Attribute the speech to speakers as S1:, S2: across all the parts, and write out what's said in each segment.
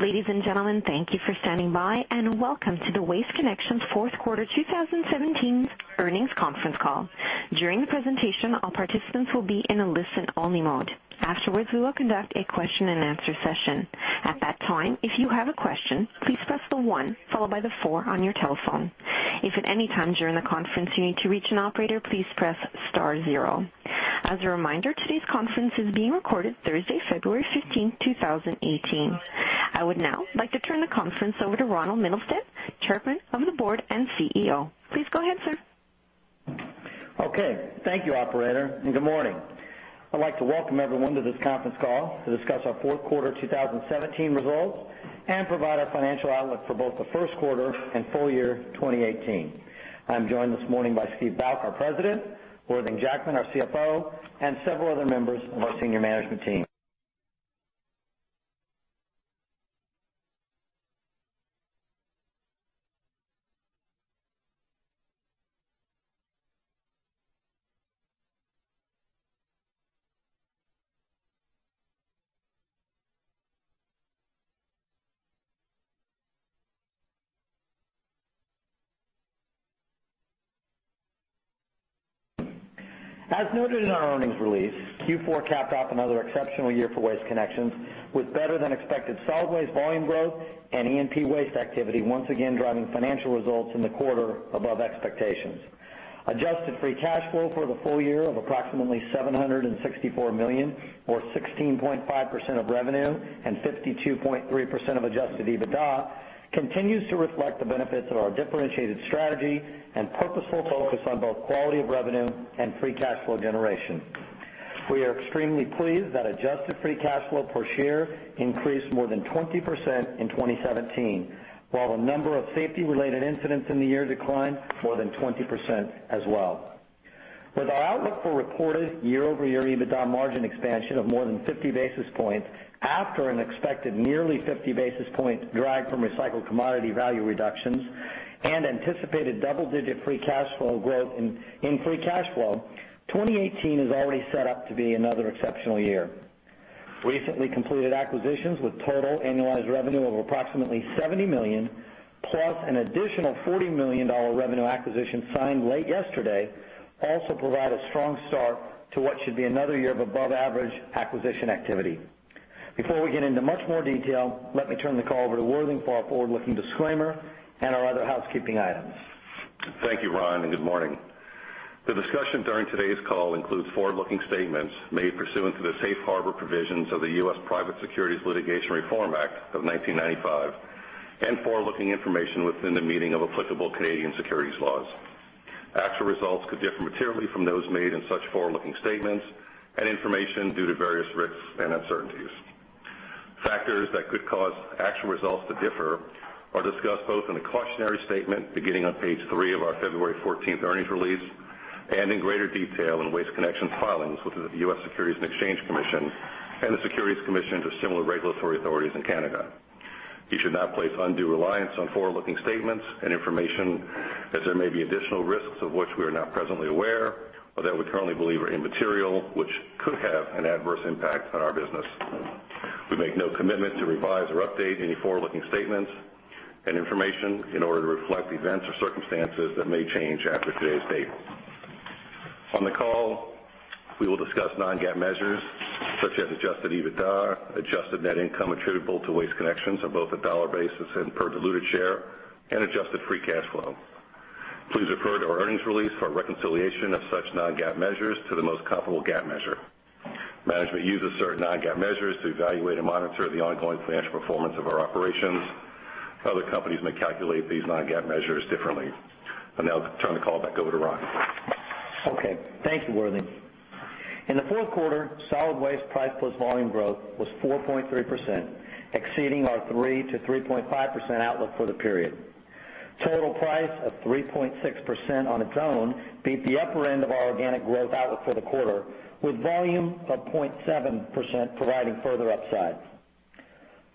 S1: Ladies and gentlemen, thank you for standing by, and welcome to the Waste Connections Third Quarter 2017 earnings conference call. During the presentation, all participants will be in a listen-only mode. Afterwards, we will conduct a question-and-answer session. At that time, if you have a question, please press the one followed by the four on your telephone. If at any time during the conference you need to reach an operator, please press star zero. As a reminder, today's conference is being recorded Thursday, February 15th, 2018. I would now like to turn the conference over to Ronald Mittelstaedt, Chairman of the Board and CEO. Please go ahead, sir.
S2: Okay. Thank you, operator, and good morning. I'd like to welcome everyone to this conference call to discuss our fourth quarter 2017 results and provide our financial outlook for both the first quarter and full year 2018. I'm joined this morning by Steve Bouck, our President, Worthing Jackman, our CFO, and several other members of our senior management team. As noted in our earnings release, Q4 capped off another exceptional year for Waste Connections with better-than-expected solid waste volume growth and E&P waste activity once again driving financial results in the quarter above expectations. Adjusted free cash flow for the full year of approximately $764 million or 16.5% of revenue and 52.3% of adjusted EBITDA continues to reflect the benefits of our differentiated strategy and purposeful focus on both quality of revenue and free cash flow generation. We are extremely pleased that adjusted free cash flow per share increased more than 20% in 2017, while the number of safety-related incidents in the year declined more than 20% as well. With our outlook for reported year-over-year EBITDA margin expansion of more than 50 basis points after an expected nearly 50 basis point drag from recycled commodity value reductions and anticipated double-digit free cash flow growth in free cash flow, 2018 is already set up to be another exceptional year. Recently completed acquisitions with total annualized revenue of approximately $70 million, plus an additional $40 million revenue acquisition signed late yesterday, also provide a strong start to what should be another year of above-average acquisition activity. Before we get into much more detail, let me turn the call over to Worthing for our forward-looking disclaimer and our other housekeeping items.
S3: Thank you, Ron, and good morning. The discussion during today's call includes forward-looking statements made pursuant to the Safe Harbor Provisions of the U.S. Private Securities Litigation Reform Act of 1995 and forward-looking information within the meaning of applicable Canadian securities laws. Actual results could differ materially from those made in such forward-looking statements and information due to various risks and uncertainties. Factors that could cause actual results to differ are discussed both in the cautionary statement beginning on page three of our February 14th earnings release and in greater detail in Waste Connections' filings with the U.S. Securities and Exchange Commission and the Securities Commissions or similar regulatory authorities in Canada. You should not place undue reliance on forward-looking statements and information as there may be additional risks of which we are not presently aware or that we currently believe are immaterial, which could have an adverse impact on our business. We make no commitment to revise or update any forward-looking statements and information in order to reflect events or circumstances that may change after today's date. On the call, we will discuss non-GAAP measures such as adjusted EBITDA, adjusted net income attributable to Waste Connections on both a dollar basis and per diluted share, and adjusted free cash flow. Please refer to our earnings release for a reconciliation of such non-GAAP measures to the most comparable GAAP measure. Management uses certain non-GAAP measures to evaluate and monitor the ongoing financial performance of our operations. Other companies may calculate these non-GAAP measures differently. I'll now turn the call back over to Ron.
S2: Okay, thank you, Worthing. In the fourth quarter, solid waste price plus volume growth was 4.3%, exceeding our 3%-3.5% outlook for the period. Total price of 3.6% on its own beat the upper end of our organic growth outlook for the quarter, with volume of 0.7% providing further upside.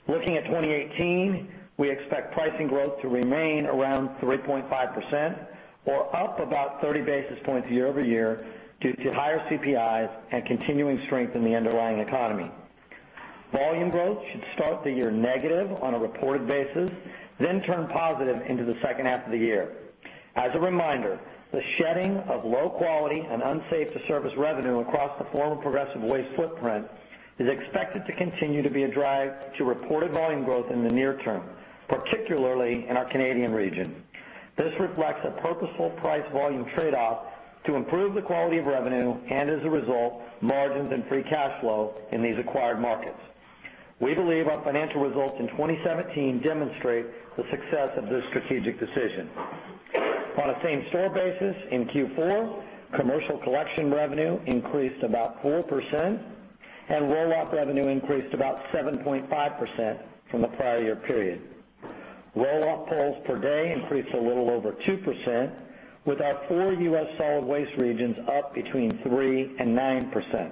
S2: Looking at 2018, we expect pricing growth to remain around 3.5%, or up about 30 basis points year-over-year due to higher CPIs and continuing strength in the underlying economy. Volume growth should start the year negative on a reported basis, turn positive into the second half of the year. As a reminder, the shedding of low-quality and unsafe-to-service revenue across the former Progressive Waste footprint is expected to continue to be a drive to reported volume growth in the near term, particularly in our Canadian region. This reflects a purposeful price-volume trade-off to improve the quality of revenue and, as a result, margins and free cash flow in these acquired markets. We believe our financial results in 2017 demonstrate the success of this strategic decision. On a same-store basis in Q4, commercial collection revenue increased about 4%, roll-off revenue increased about 7.5% from the prior year period. Roll-off pulls per day increased a little over 2%, with our four U.S. solid waste regions up between 3% and 9%.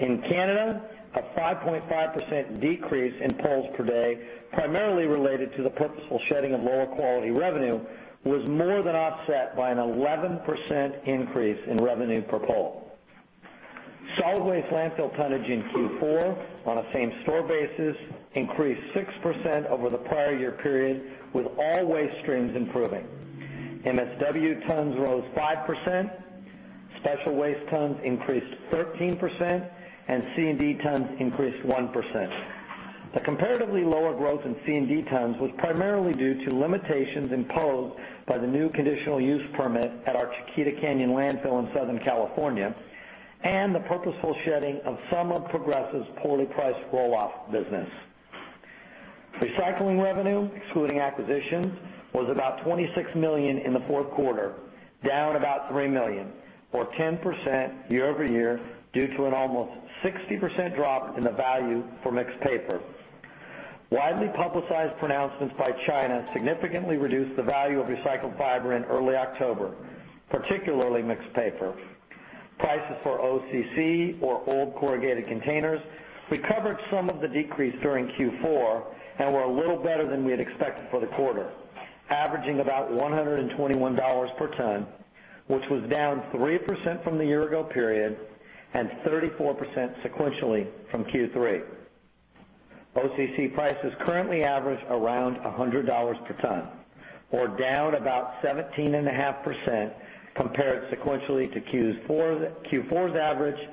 S2: In Canada, a 5.5% decrease in pulls per day, primarily related to the purposeful shedding of lower-quality revenue, was more than offset by an 11% increase in revenue per pull. Solid waste landfill tonnage in Q4 on a same-store basis increased 6% over the prior year period, with all waste streams improving. MSW tons rose 5%, special waste tons increased 13%, C&D tons increased 1%. The comparatively lower growth in C&D tons was primarily due to limitations imposed by the new conditional use permit at our Chiquita Canyon Landfill in Southern California, and the purposeful shedding of some of Progressive Waste's poorly priced roll-off business. Recycling revenue, excluding acquisitions, was about 26 million in the fourth quarter, down about 3 million, or 10% year-over-year due to an almost 60% drop in the value for mixed paper. Widely publicized pronouncements by China significantly reduced the value of recycled fiber in early October, particularly mixed paper. Prices for OCC, or old corrugated containers, recovered some of the decrease during Q4 and were a little better than we had expected for the quarter, averaging about 121 dollars per ton, which was down 3% from the year-ago period and 34% sequentially from Q3. OCC prices currently average around 100 dollars per ton, or down about 17.5% compared sequentially to Q4's average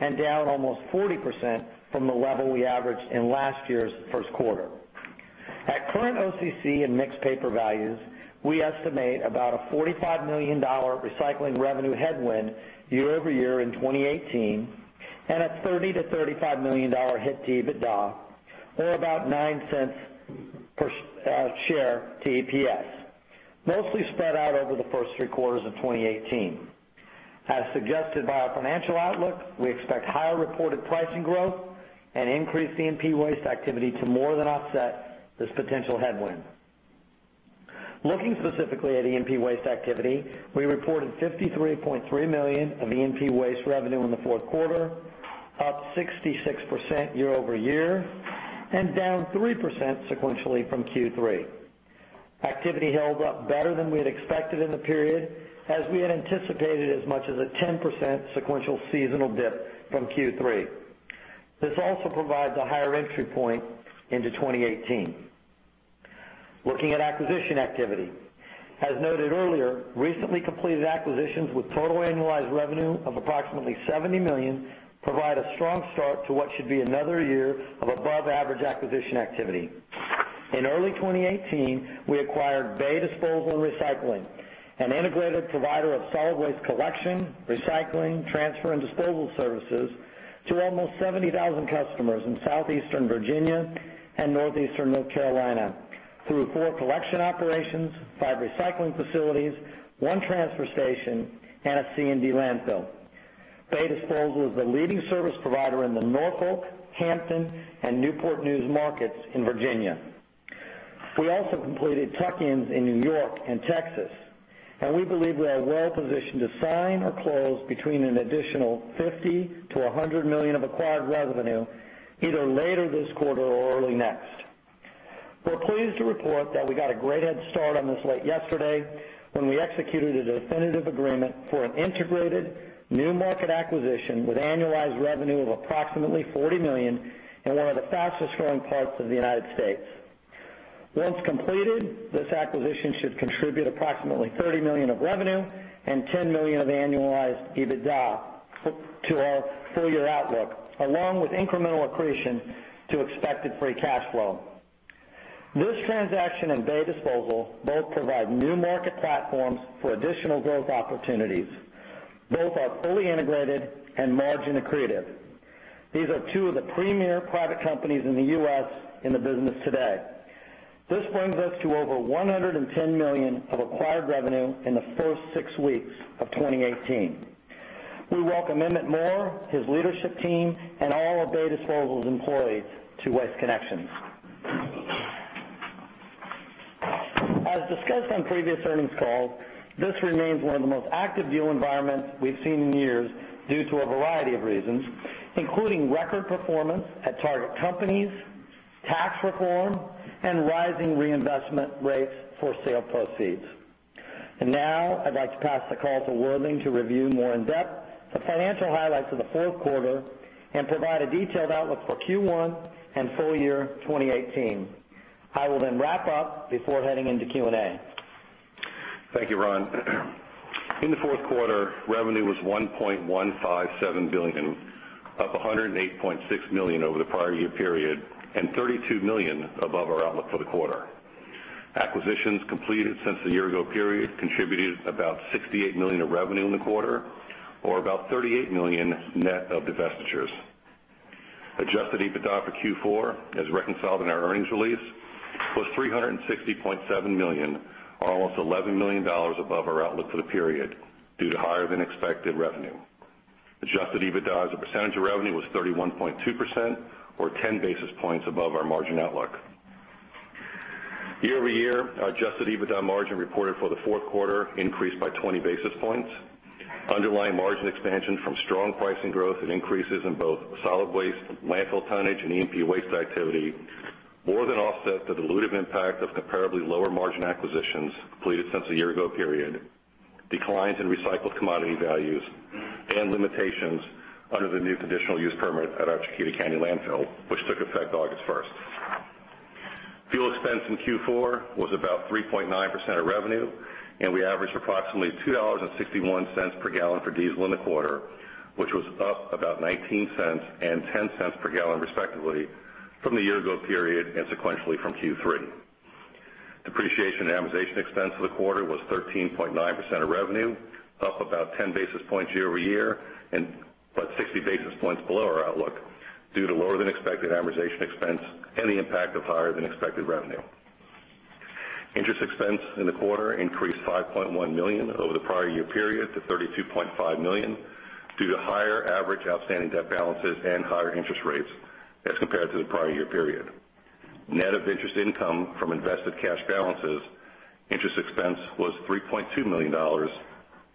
S2: and down almost 40% from the level we averaged in last year's first quarter. At current OCC and mixed paper values, we estimate about a 45 million dollar recycling revenue headwind year-over-year in 2018 and a 30 million-35 million dollar hit to EBITDA, or about 0.09 per share to EPS, mostly spread out over the first three quarters of 2018. As suggested by our financial outlook, we expect higher reported pricing growth and increased E&P waste activity to more than offset this potential headwind. Looking specifically at E&P waste activity, we reported 53.3 million of E&P waste revenue in the fourth quarter, up 66% year-over-year and down 3% sequentially from Q3. Activity held up better than we had expected in the period, as we had anticipated as much as a 10% sequential seasonal dip from Q3. This also provides a higher entry point into 2018. Looking at acquisition activity. As noted earlier, recently completed acquisitions with total annualized revenue of approximately 70 million provide a strong start to what should be another year of above-average acquisition activity. In early 2018, we acquired Bay Disposal & Recycling, an integrated provider of solid waste collection, recycling, transfer, and disposal services to almost 70,000 customers in southeastern Virginia and northeastern North Carolina through four collection operations, five recycling facilities, one transfer station, and a C&D landfill. Bay Disposal is the leading service provider in the Norfolk, Hampton, and Newport News markets in Virginia. We also completed tuck-ins in New York and Texas. We believe we are well-positioned to sign or close between an additional 50 million-100 million of acquired revenue either later this quarter or early next. We're pleased to report that we got a great head start on this late yesterday when we executed a definitive agreement for an integrated new market acquisition with annualized revenue of approximately $40 million in one of the fastest-growing parts of the U.S. Once completed, this acquisition should contribute approximately 30 million of revenue and 10 million of annualized EBITDA to our full-year outlook, along with incremental accretion to expected free cash flow. This transaction and Bay Disposal both provide new market platforms for additional growth opportunities. Both are fully integrated and margin accretive. These are two of the premier private companies in the U.S. in the business today. This brings us to over $110 million of acquired revenue in the first six weeks of 2018. We welcome Emmett Moore, his leadership team, and all of Bay Disposal's employees to Waste Connections. As discussed on previous earnings calls, this remains one of the most active deal environments we've seen in years due to a variety of reasons, including record performance at target companies, tax reform, and rising reinvestment rates for sale proceeds. Now I'd like to pass the call to Worthing to review more in depth the financial highlights of the fourth quarter and provide a detailed outlook for Q1 and full year 2018. I will wrap up before heading into Q&A.
S3: Thank you, Ron. In the fourth quarter, revenue was $1.157 billion, up $108.6 million over the prior year period and $32 million above our outlook for the quarter. Acquisitions completed since the year-ago period contributed about $68 million of revenue in the quarter, or about $38 million net of divestitures. Adjusted EBITDA for Q4, as reconciled in our earnings release, was $360.7 million, or almost $11 million above our outlook for the period due to higher-than-expected revenue. Adjusted EBITDA as a percentage of revenue was 31.2%, or 10 basis points above our margin outlook. Year-over-year, Adjusted EBITDA margin reported for the fourth quarter increased by 20 basis points. Underlying margin expansion from strong pricing growth and increases in both solid waste landfill tonnage and E&P waste activity More than offset the dilutive impact of comparably lower margin acquisitions completed since the year-ago period, declines in recycled commodity values, and limitations under the new conditional use permit at our Chiquita Canyon Landfill, which took effect August 1st. Fuel expense in Q4 was about 3.9% of revenue, and we averaged approximately $2.61 per gallon for diesel in the quarter, which was up about $0.19 and $0.10 per gallon respectively from the year-ago period and sequentially from Q3. Depreciation and amortization expense for the quarter was 13.9% of revenue, up about 10 basis points year-over-year, and about 60 basis points below our outlook due to lower than expected amortization expense and the impact of higher than expected revenue. Interest expense in the quarter increased $5.1 million over the prior year period to $32.5 million due to higher average outstanding debt balances and higher interest rates as compared to the prior year period. Net of interest income from invested cash balances, interest expense was $3.2 million,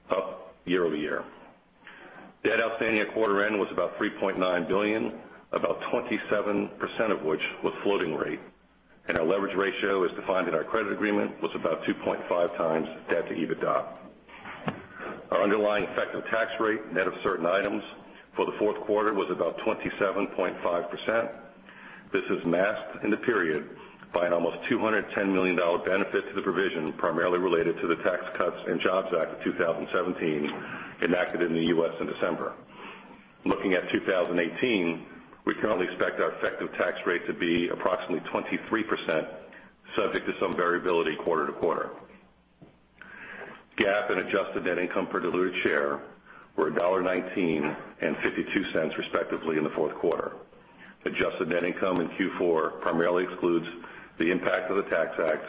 S3: up year-over-year. Debt outstanding at quarter end was about $3.9 billion, about 27% of which was floating rate, and our leverage ratio as defined in our credit agreement was about 2.5 times debt to EBITDA. Our underlying effective tax rate net of certain items for the fourth quarter was about 27.5%. This is masked in the period by an almost $210 million benefit to the provision, primarily related to the Tax Cuts and Jobs Act of 2017, enacted in the U.S. in December. Looking at 2018, we currently expect our effective tax rate to be approximately 23%, subject to some variability quarter to quarter. GAAP and adjusted net income per diluted share were $1.19 and $0.52 respectively in the fourth quarter. Adjusted net income in Q4 primarily excludes the impact of the Tax Act,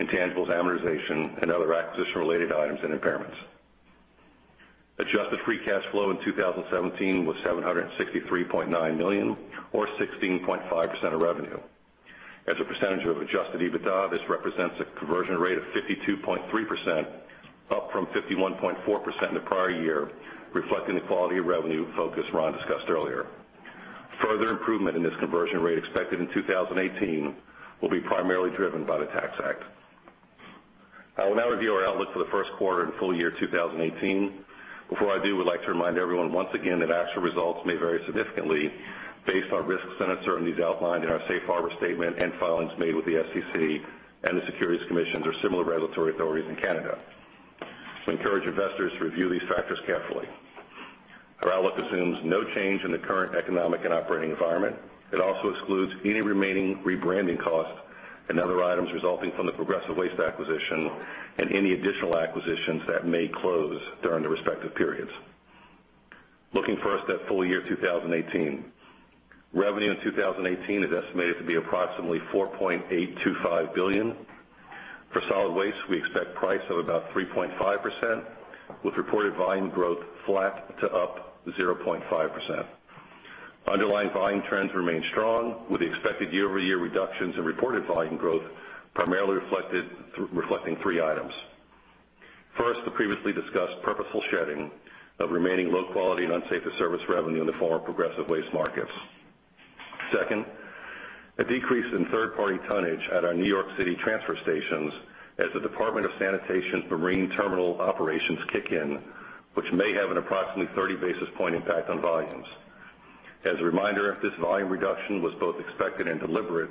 S3: intangibles amortization, and other acquisition-related items and impairments. Adjusted free cash flow in 2017 was $763.9 million or 16.5% of revenue. As a percentage of adjusted EBITDA, this represents a conversion rate of 52.3%, up from 51.4% in the prior year, reflecting the quality of revenue focus Ron discussed earlier. Further improvement in this conversion rate expected in 2018 will be primarily driven by the Tax Act. I will now review our outlook for the first quarter and full year 2018. Before I do, I would like to remind everyone once again that actual results may vary significantly based on risks and uncertainties outlined in our safe harbor statement and filings made with the SEC and the securities commissions or similar regulatory authorities in Canada. Encourage investors to review these factors carefully. Our outlook assumes no change in the current economic and operating environment. It also excludes any remaining rebranding costs and other items resulting from the Progressive Waste acquisition and any additional acquisitions that may close during the respective periods. Looking first at full year 2018. Revenue in 2018 is estimated to be approximately $4.825 billion. For solid waste, we expect price of about 3.5%, with reported volume growth flat to up 0.5%. Underlying volume trends remain strong, with the expected year-over-year reductions in reported volume growth primarily reflecting three items. First, the previously discussed purposeful shedding of remaining low-quality and unsafe-to-service revenue in the former Progressive Waste markets. Second, a decrease in third-party tonnage at our New York City transfer stations as the Department of Sanitation marine terminal operations kick in, which may have an approximately 30 basis point impact on volumes. As a reminder, this volume reduction was both expected and deliberate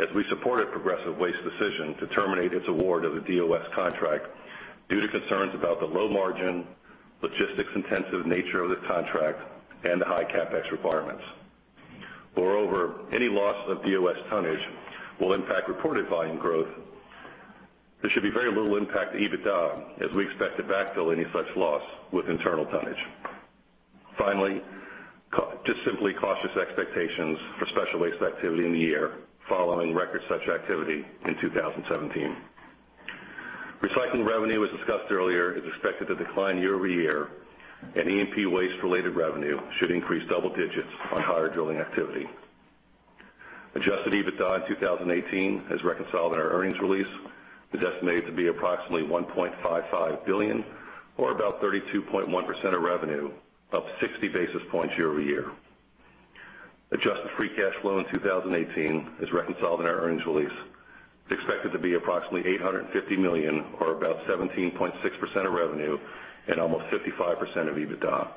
S3: as we supported Progressive Waste's decision to terminate its award of the DOS contract due to concerns about the low margin, logistics-intensive nature of the contract, and the high CapEx requirements. Moreover, any loss of DOS tonnage will impact reported volume growth. There should be very little impact to EBITDA, as we expect to backfill any such loss with internal tonnage. Finally, just simply cautious expectations for special waste activity in the year following record such activity in 2017. Recycling revenue, as discussed earlier, is expected to decline year-over-year, and E&P waste-related revenue should increase double digits on higher drilling activity. Adjusted EBITDA in 2018, as reconciled in our earnings release, is estimated to be approximately $1.55 billion or about 32.1% of revenue, up 60 basis points year-over-year. Adjusted free cash flow in 2018, as reconciled in our earnings release, is expected to be approximately $850 million or about 17.6% of revenue and almost 55% of EBITDA.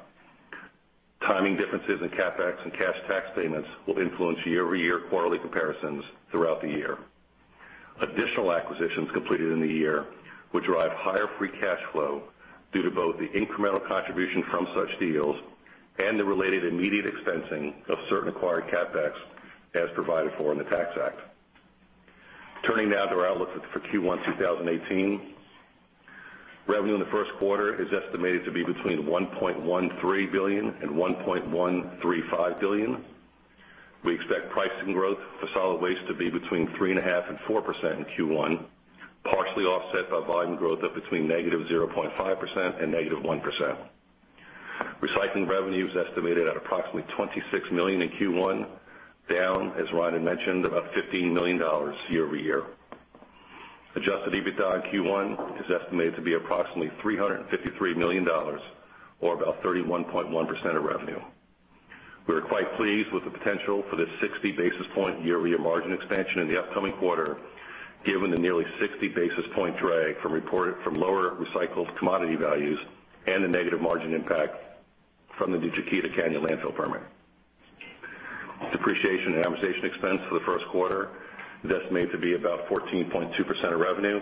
S3: Timing differences in CapEx and cash tax payments will influence year-over-year quarterly comparisons throughout the year. Additional acquisitions completed in the year will drive higher free cash flow due to both the incremental contribution from such deals and the related immediate expensing of certain acquired CapEx as provided for in the Tax Act. Turning now to our outlook for Q1 2018. Revenue in the first quarter is estimated to be between $1.13 billion and $1.135 billion. We expect pricing growth for solid waste to be between 3.5%-4% in Q1, partially offset by volume growth of between -0.5% and -1%. Recycling revenue is estimated at approximately $26 million in Q1, down, as Ron had mentioned, about $15 million year-over-year. Adjusted EBITDA in Q1 is estimated to be approximately $353 million or about 31.1% of revenue. We are quite pleased with the potential for this 60 basis points year-over-year margin expansion in the upcoming quarter, given the nearly 60 basis points drag from lower recycled commodity values and the negative margin impact from the new Chiquita Canyon Landfill permit. Depreciation and amortization expense for the first quarter is estimated to be about 14.2% of revenue.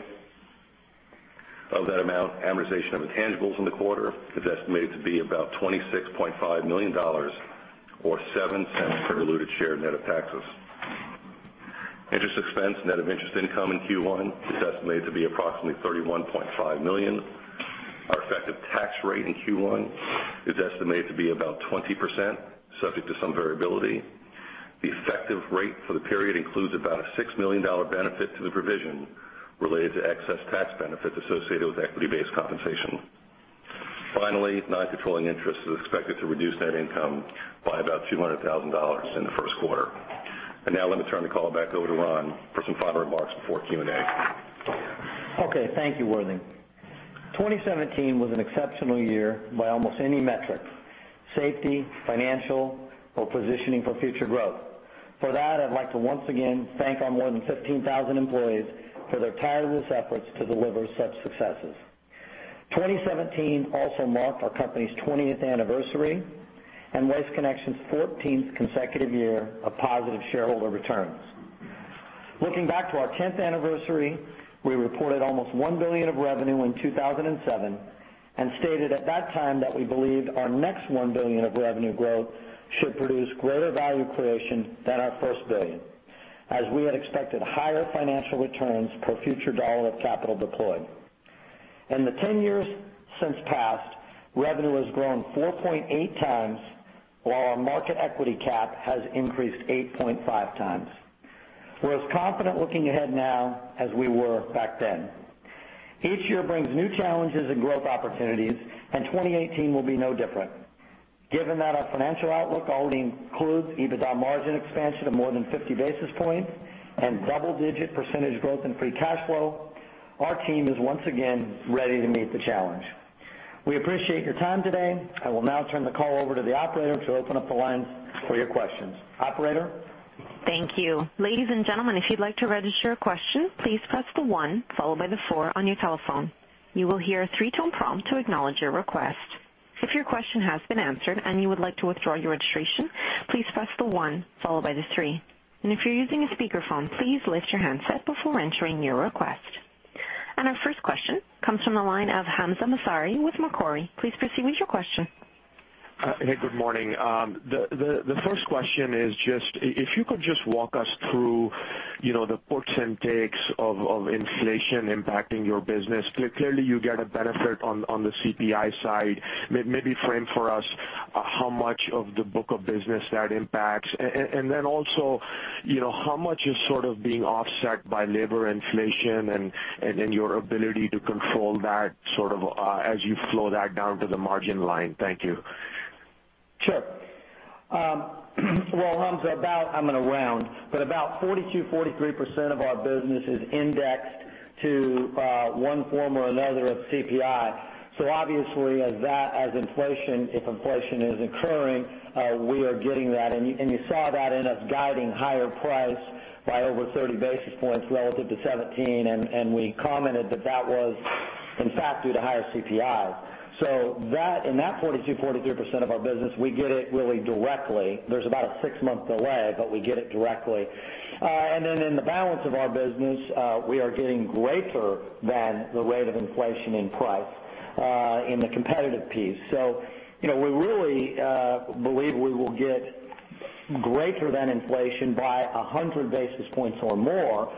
S3: Of that amount, amortization of intangibles in the quarter is estimated to be about $26.5 million or $0.07 per diluted share net of taxes. Interest expense, net of interest income in Q1 is estimated to be approximately $31.5 million. Our effective tax rate in Q1 is estimated to be about 20%, subject to some variability. The effective rate for the period includes about a $6 million benefit to the provision related to excess tax benefits associated with equity-based compensation. Finally, non-controlling interest is expected to reduce net income by about $200,000 in the first quarter. Now let me turn the call back over to Ron for some final remarks before Q&A.
S2: Okay, thank you, Worthing. 2017 was an exceptional year by almost any metric, safety, financial, or positioning for future growth. For that, I'd like to once again thank our more than 15,000 employees for their tireless efforts to deliver such successes. 2017 also marked our company's 20th anniversary and Waste Connections' 14th consecutive year of positive shareholder returns. Looking back to our 10th anniversary, we reported almost $1 billion of revenue in 2007 and stated at that time that we believed our next $1 billion of revenue growth should produce greater value creation than our first $1 billion, as we had expected higher financial returns per future dollar of capital deployed. In the 10 years since passed, revenue has grown 4.8 times, while our market equity cap has increased 8.5 times. We're as confident looking ahead now as we were back then. Each year brings new challenges and growth opportunities, 2018 will be no different. Given that our financial outlook already includes EBITDA margin expansion of more than 50 basis points and double-digit percentage growth in free cash flow, our team is once again ready to meet the challenge. We appreciate your time today. I will now turn the call over to the operator to open up the lines for your questions. Operator?
S1: Thank you. Ladies and gentlemen, if you'd like to register a question, please press the one followed by the four on your telephone. You will hear a three-tone prompt to acknowledge your request. If your question has been answered and you would like to withdraw your registration, please press the one followed by the three. If you're using a speakerphone, please lift your handset before entering your request. Our first question comes from the line of Hamzah Mazari with Macquarie. Please proceed with your question.
S4: Hey, good morning. The first question is if you could just walk us through the puts and takes of inflation impacting your business. Clearly, you get a benefit on the CPI side. Maybe frame for us how much of the book of business that impacts. Then also, how much is being offset by labor inflation and your ability to control that as you flow that down to the margin line? Thank you.
S2: Sure. Well, Hamzah, I'm going to round, but about 42%, 43% of our business is indexed to one form or another of CPI. Obviously, if inflation is occurring, we are getting that. You saw that in us guiding higher price by over 30 basis points relative to 2017, we commented that was in fact due to higher CPI. In that 42%, 43% of our business, we get it really directly. There's about a six-month delay, but we get it directly. Then in the balance of our business, we are getting greater than the rate of inflation in price in the competitive piece. We really believe we will get greater than inflation by 100 basis points or more,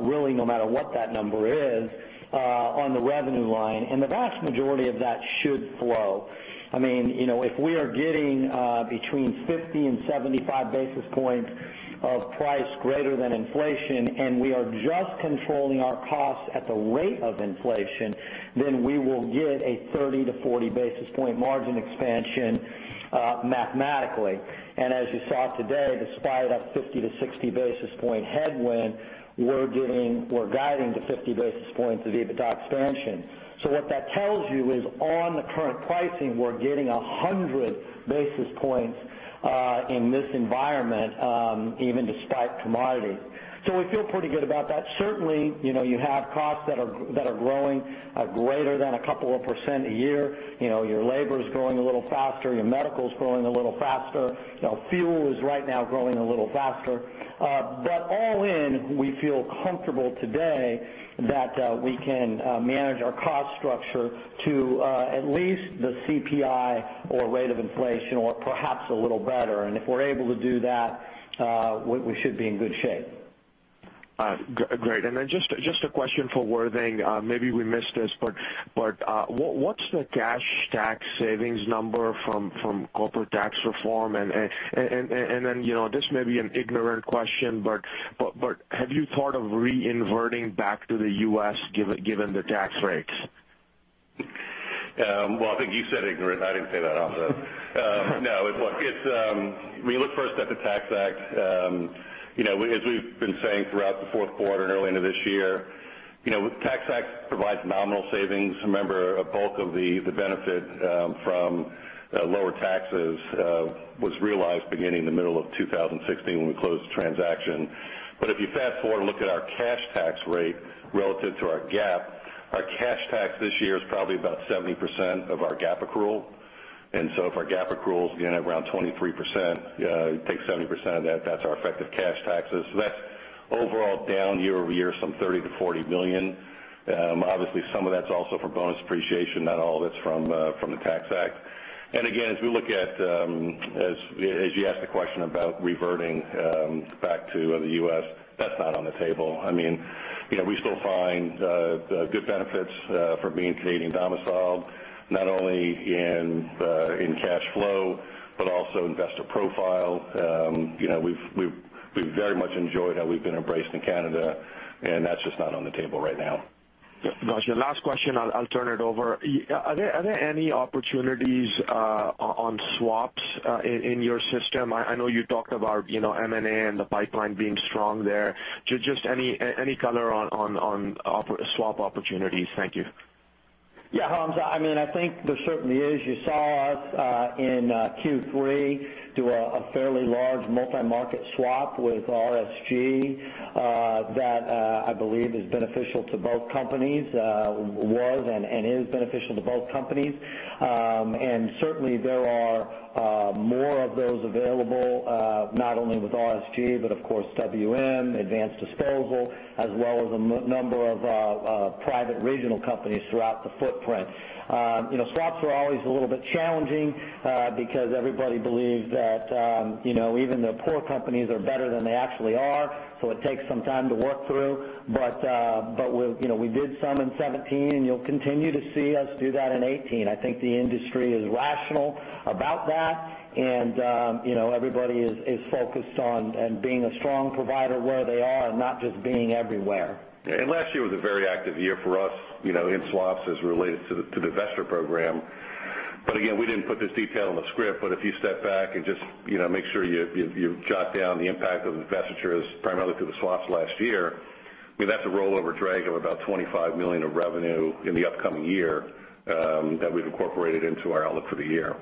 S2: really, no matter what that number is, on the revenue line. The vast majority of that should flow. If we are getting between 50 and 75 basis points of price greater than inflation, and we are just controlling our costs at the rate of inflation, then we will get a 30-40 basis points margin expansion, mathematically. As you saw today, despite a 50-60 basis points headwind, we're guiding to 50 basis points of EBITDA expansion. What that tells you is on the current pricing, we're getting 100 basis points in this environment, even despite commodities. We feel pretty good about that. Certainly, you have costs that are growing at greater than a couple of percent a year. Your labor's growing a little faster, your medical's growing a little faster. Fuel is right now growing a little faster. All in, we feel comfortable today that we can manage our cost structure to at least the CPI or rate of inflation or perhaps a little better. If we're able to do that, we should be in good shape.
S4: Great. Just a question for Worthing. Maybe we missed this, what's the cash tax savings number from corporate tax reform? This may be an ignorant question, have you thought of reinverting back to the U.S. given the tax rates?
S3: Well, I think you said ignorant. I didn't say that also. No, look, when you look first at the Tax Act, as we've been saying throughout the fourth quarter and early into this year, the Tax Act provides nominal savings. Remember, a bulk of the benefit from lower taxes was realized beginning the middle of 2016 when we closed the transaction. If you fast-forward and look at our cash tax rate relative to our GAAP, our cash tax this year is probably about 70% of our GAAP accrual. If our GAAP accrual is again at around 23%, take 70% of that's our effective cash taxes. That's overall down year-over-year some $30 million-$40 million. Obviously, some of that's also for bonus depreciation. Not all of it's from the Tax Act. Again, as you asked the question about reverting back to the U.S., that's not on the table. We still find good benefits from being Canadian domiciled, not only in cash flow, also investor profile. We've very much enjoyed how we've been embraced in Canada, that's just not on the table right now.
S4: Got you. Last question, I'll turn it over. Are there any opportunities on swaps in your system? I know you talked about M&A and the pipeline being strong there. Just any color on swap opportunities? Thank you.
S2: Yeah, Hamzah. I think there certainly is. You saw us in Q3 do a fairly large multi-market swap with RSG that I believe is beneficial to both companies, was and is beneficial to both companies. Certainly, there are more of those available not only with RSG, but of course WM, Advanced Disposal, as well as a number of private regional companies throughout the footprint. Swaps are always a little bit challenging because everybody believes that even the poor companies are better than they actually are, so it takes some time to work through. We did some in 2017, and you'll continue to see us do that in 2018. I think the industry is rational about that, and everybody is focused on being a strong provider where they are and not just being everywhere.
S3: Last year was a very active year for us in swaps as it related to the Divestiture Program. Again, we didn't put this detail in the script, but if you step back and just make sure you've jot down the impact of divestitures primarily through the swaps last year, we have the rollover drag of about $25 million of revenue in the upcoming year that we've incorporated into our outlook for the year.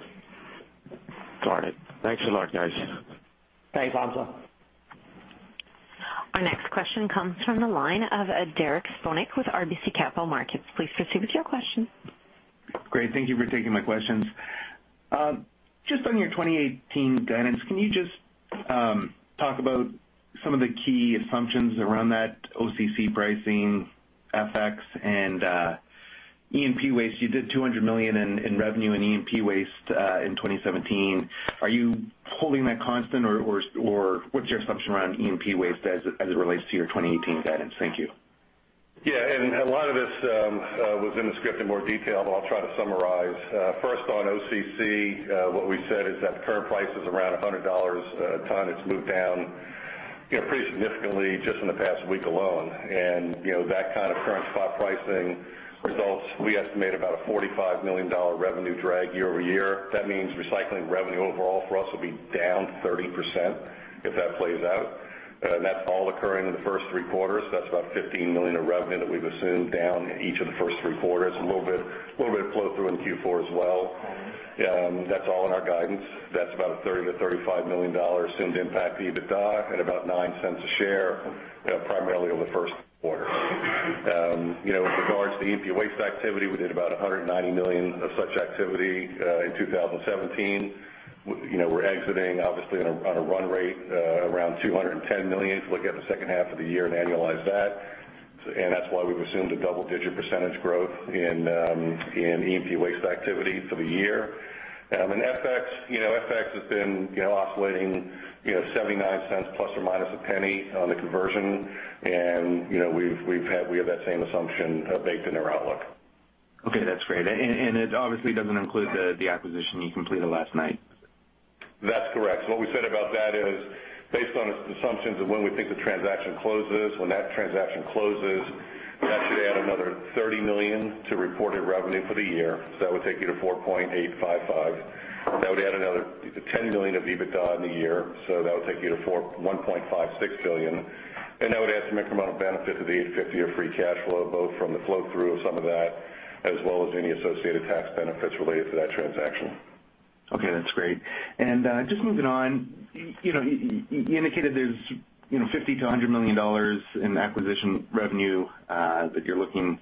S4: Got it. Thanks a lot, guys.
S2: Thanks, Hamzah.
S1: Our next question comes from the line of Derek Spronck with RBC Capital Markets. Please proceed with your question.
S5: Great. Thank you for taking my questions. Just on your 2018 guidance, can you just talk about some of the key assumptions around that OCC pricing, FX, and E&P waste? You did 200 million in revenue in E&P waste in 2017. Are you holding that constant, or what's your assumption around E&P waste as it relates to your 2018 guidance? Thank you.
S3: Yeah. A lot of this was in the script in more detail, but I'll try to summarize. First on OCC, what we said is that the current price is around 100 dollars a ton. It's moved down pretty significantly just in the past week alone. That kind of current spot pricing results, we estimate about a 45 million dollar revenue drag year-over-year. That means recycling revenue overall for us will be down 30% if that plays out. That's all occurring in the first three quarters. That's about 15 million of revenue that we've assumed down in each of the first three quarters. A little bit of flow-through in Q4 as well. That's all in our guidance. That's about a 30 million-35 million dollar assumed impact to EBITDA at about 0.09 a share, primarily over the first quarter. With regards to E&P waste activity, we did about $190 million of such activity in 2017. We're exiting, obviously, on a run rate around $210 million if you look at the second half of the year and annualize that. That's why we've assumed a double-digit % growth in E&P waste activity for the year. FX has been oscillating $0.79 ±$0.01 on the conversion, and we have that same assumption baked into our outlook.
S5: Okay, that's great. It obviously doesn't include the acquisition you completed last night.
S3: That's correct. What we said about that is based on assumptions of when we think the transaction closes, when that transaction closes, that should add another $30 million to reported revenue for the year. That would take you to $4.855. That would add another $10 million of EBITDA in the year. That would take you to $1.56 billion, and that would add some incremental benefit to the $850 of free cash flow, both from the flow-through of some of that as well as any associated tax benefits related to that transaction.
S5: Okay, that's great. Just moving on, you indicated there's $50-$100 million in acquisition revenue that you're looking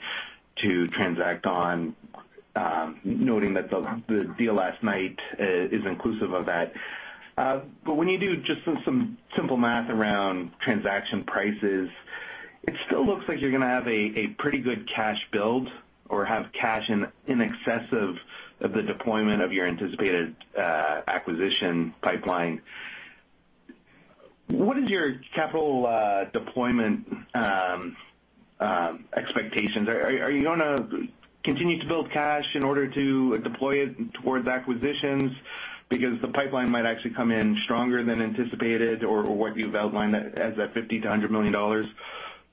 S5: to transact on, noting that the deal last night is inclusive of that. When you do just some simple math around transaction prices, it still looks like you're going to have a pretty good cash build or have cash in excess of the deployment of your anticipated acquisition pipeline. What is your capital deployment expectations? Are you going to continue to build cash in order to deploy it towards acquisitions because the pipeline might actually come in stronger than anticipated or what you've outlined as that $50-$100 million?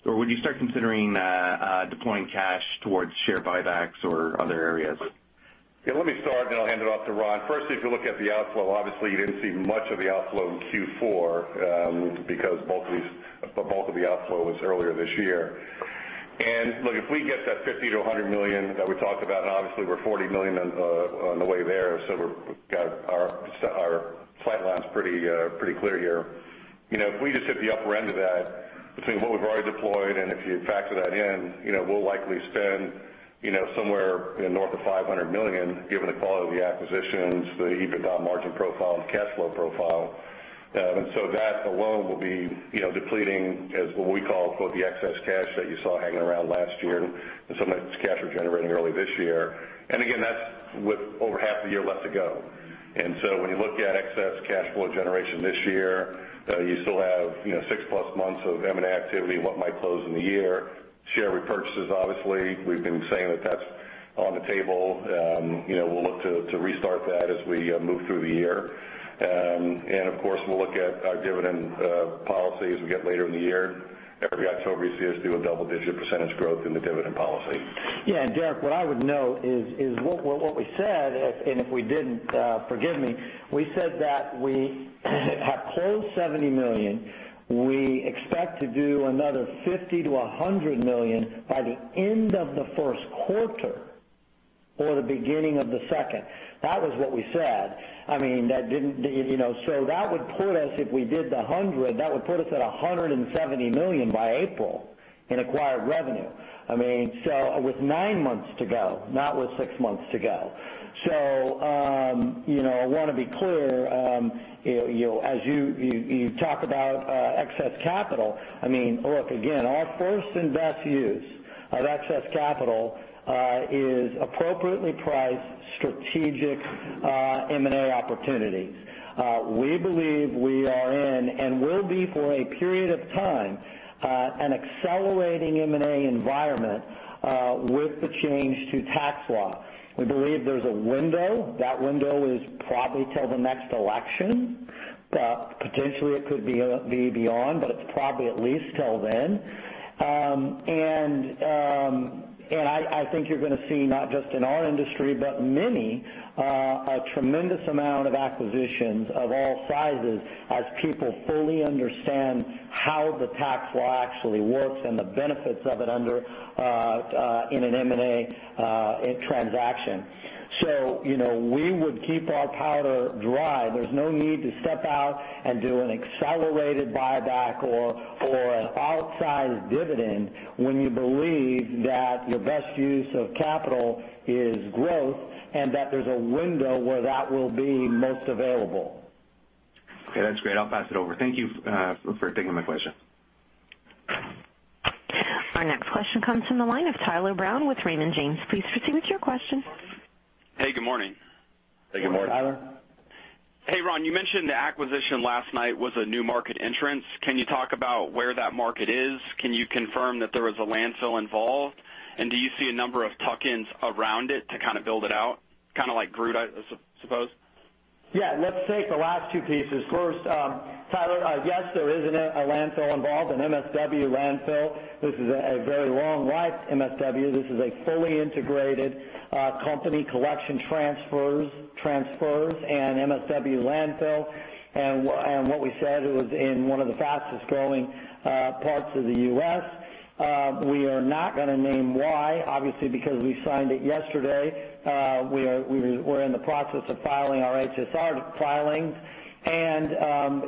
S5: Would you start considering deploying cash towards share buybacks or other areas?
S3: Yeah, let me start, then I'll hand it off to Ron. First, if you look at the outflow, obviously you didn't see much of the outflow in Q4, because the bulk of the outflow was earlier this year. Look, if we get that $50 million-$100 million that we talked about, obviously we're $40 million on the way there, so we've got our sightlines pretty clear here. If we just hit the upper end of that, between what we've already deployed and if you factor that in, we'll likely spend somewhere north of $500 million, given the quality of the acquisitions, the EBITDA margin profile and the cash flow profile. That alone will be depleting as what we call the excess cash that you saw hanging around last year and some of that cash we're generating early this year. Again, that's with over half a year left to go. When you look at excess cash flow generation this year, you still have six-plus months of M&A activity, what might close in the year. Share repurchases, obviously, we've been saying that that's on the table. We'll look to restart that as we move through the year. Of course, we'll look at our dividend policy as we get later in the year. Every October, you see us do a double-digit % growth in the dividend policy.
S2: Derek, what I would note is what we said, and if we didn't, forgive me, we said that we have closed $70 million. We expect to do another $50 million-$100 million by the end of the first quarter or the beginning of the second. That was what we said. That would put us, if we did the $100, that would put us at $170 million by April in acquired revenue. With nine months to go, not with six months to go. I want to be clear, as you talk about excess capital, look, again, our first and best use of excess capital is appropriately priced strategic M&A opportunities. We believe we are in and will be for a period of time, an accelerating M&A environment with the change to tax law. We believe there's a window. That window is probably till the next election. Potentially it could be beyond, but it's probably at least till then. I think you're going to see not just in our industry, but many, a tremendous amount of acquisitions of all sizes as people fully understand how the tax law actually works and the benefits of it in an M&A transaction. We would keep our powder dry. There's no need to step out and do an accelerated buyback or an outsized dividend when you believe that the best use of capital is growth and that there's a window where that will be most available.
S5: Okay, that's great. I'll pass it over. Thank you for taking my question.
S1: Our next question comes from the line of Tyler Brown with Raymond James. Please proceed with your question.
S6: Hey, good morning.
S3: Hey, good morning.
S2: Good morning, Tyler.
S6: Hey, Ron, you mentioned the acquisition last night was a new market entrance. Can you talk about where that market is? Can you confirm that there was a landfill involved? Do you see a number of tuck-ins around it to kind of build it out? Kind of like Groot, I suppose.
S2: Yeah, let's take the last two pieces. First, Tyler, yes, there is a landfill involved, an MSW landfill. This is a very long life MSW. This is a fully integrated company, collection transfers, and MSW landfill. What we said, it was in one of the fastest growing parts of the U.S. We are not going to name why, obviously because we signed it yesterday. We're in the process of filing our HSR filings.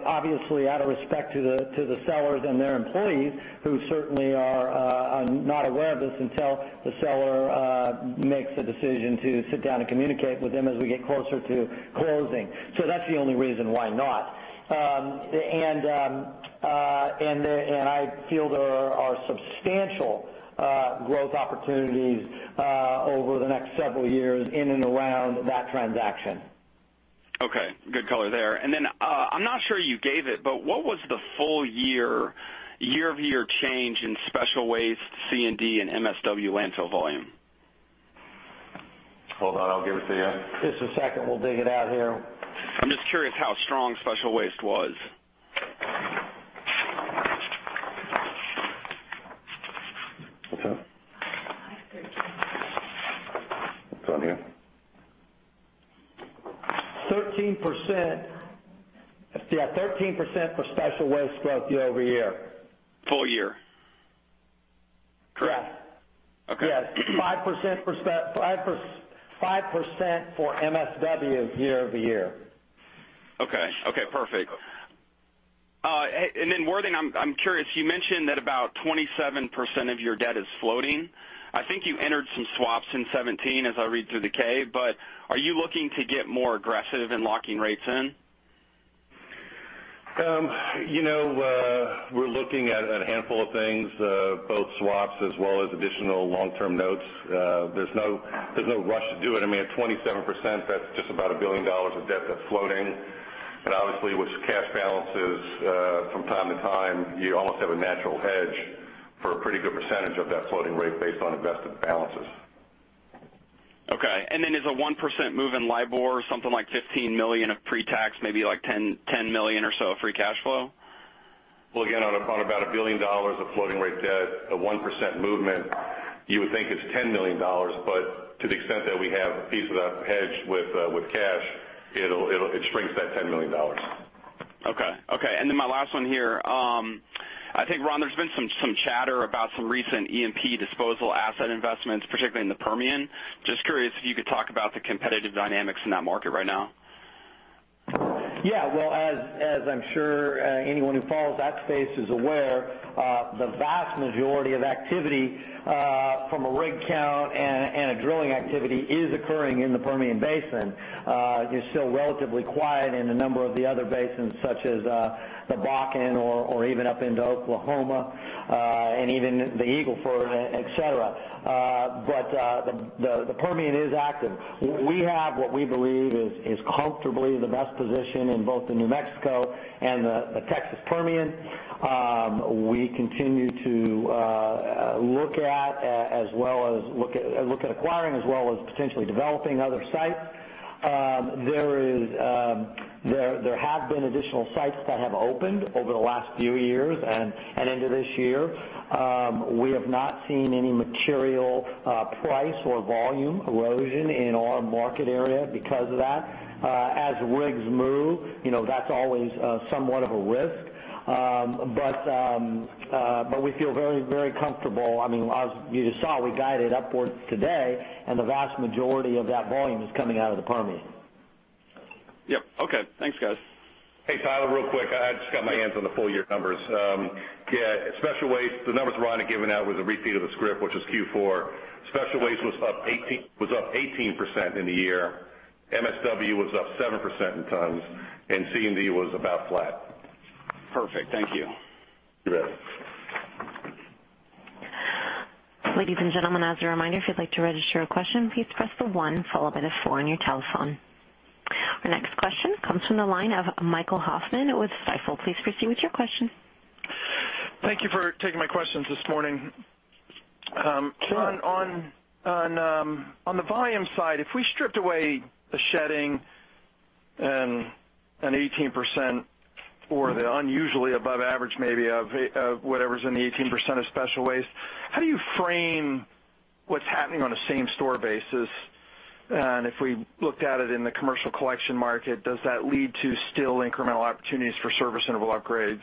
S2: Obviously, out of respect to the sellers and their employees, who certainly are not aware of this until the seller makes the decision to sit down and communicate with them as we get closer to closing. That's the only reason why not. I feel there are substantial growth opportunities over the next several years in and around that transaction.
S6: Okay. Good color there. Then, I'm not sure you gave it, but what was the full year-over-year change in special waste C&D and MSW landfill volume?
S3: Hold on, I'll give it to you.
S2: Just a second, we'll dig it out here.
S6: I'm just curious how strong special waste was.
S3: What's that? It's on here.
S2: 13% for special waste growth year-over-year.
S6: Full year?
S2: Correct.
S6: Okay.
S2: Yes. 5% for MSW year-over-year.
S6: Okay. Perfect. Worthing, I'm curious, you mentioned that about 27% of your debt is floating. I think you entered some swaps in 2017 as I read through the K, are you looking to get more aggressive in locking rates in?
S3: We're looking at a handful of things, both swaps as well as additional long-term notes. There's no rush to do it. At 27%, that's just about $1 billion of debt that's floating. Obviously with cash balances, from time to time, you almost have a natural hedge for a pretty good percentage of that floating rate based on invested balances.
S6: Okay. As a 1% move in LIBOR, something like $15 million of pre-tax, maybe like $10 million or so of free cash flow?
S3: Well, again, on about $1 billion of floating rate debt, a 1% movement, you would think it's $10 million, to the extent that we have a piece of that hedged with cash, it shrinks that $10 million.
S6: Okay. My last one here. I think, Ron, there's been some chatter about some recent E&P disposal asset investments, particularly in the Permian. Just curious if you could talk about the competitive dynamics in that market right now.
S2: Yeah. Well, as I'm sure anyone who follows that space is aware, the vast majority of activity from a rig count and a drilling activity is occurring in the Permian Basin. It's still relatively quiet in a number of the other basins, such as the Bakken or even up into Oklahoma, and even the Eagle Ford, et cetera. The Permian is active. We have what we believe is comfortably the best position in both the New Mexico and the Texas Permian. We continue to look at acquiring as well as potentially developing other sites. There have been additional sites that have opened over the last few years and into this year. We have not seen any material price or volume erosion in our market area because of that. As rigs move, that's always somewhat of a risk. We feel very comfortable. As you just saw, we guided upwards today. The vast majority of that volume is coming out of the Permian.
S6: Yep. Okay. Thanks, guys.
S3: Hey, Tyler, real quick, I just got my hands on the full year numbers. Yeah, special waste, the numbers Ron had given out was a repeat of the script, which was Q4. Special waste was up 18% in the year. MSW was up 7% in tons. C&D was about flat.
S6: Perfect. Thank you.
S3: You bet.
S1: Ladies and gentlemen, as a reminder, if you'd like to register a question, please press the one followed by the four on your telephone. Our next question comes from the line of Michael Hoffman with Stifel. Please proceed with your question.
S7: Thank you for taking my questions this morning.
S2: Sure.
S7: On the volume side, if we stripped away the shedding and an 18% or the unusually above average maybe of whatever's in the 18% of special waste, how do you frame what's happening on a same-store basis? If we looked at it in the commercial collection market, does that lead to still incremental opportunities for service interval upgrades?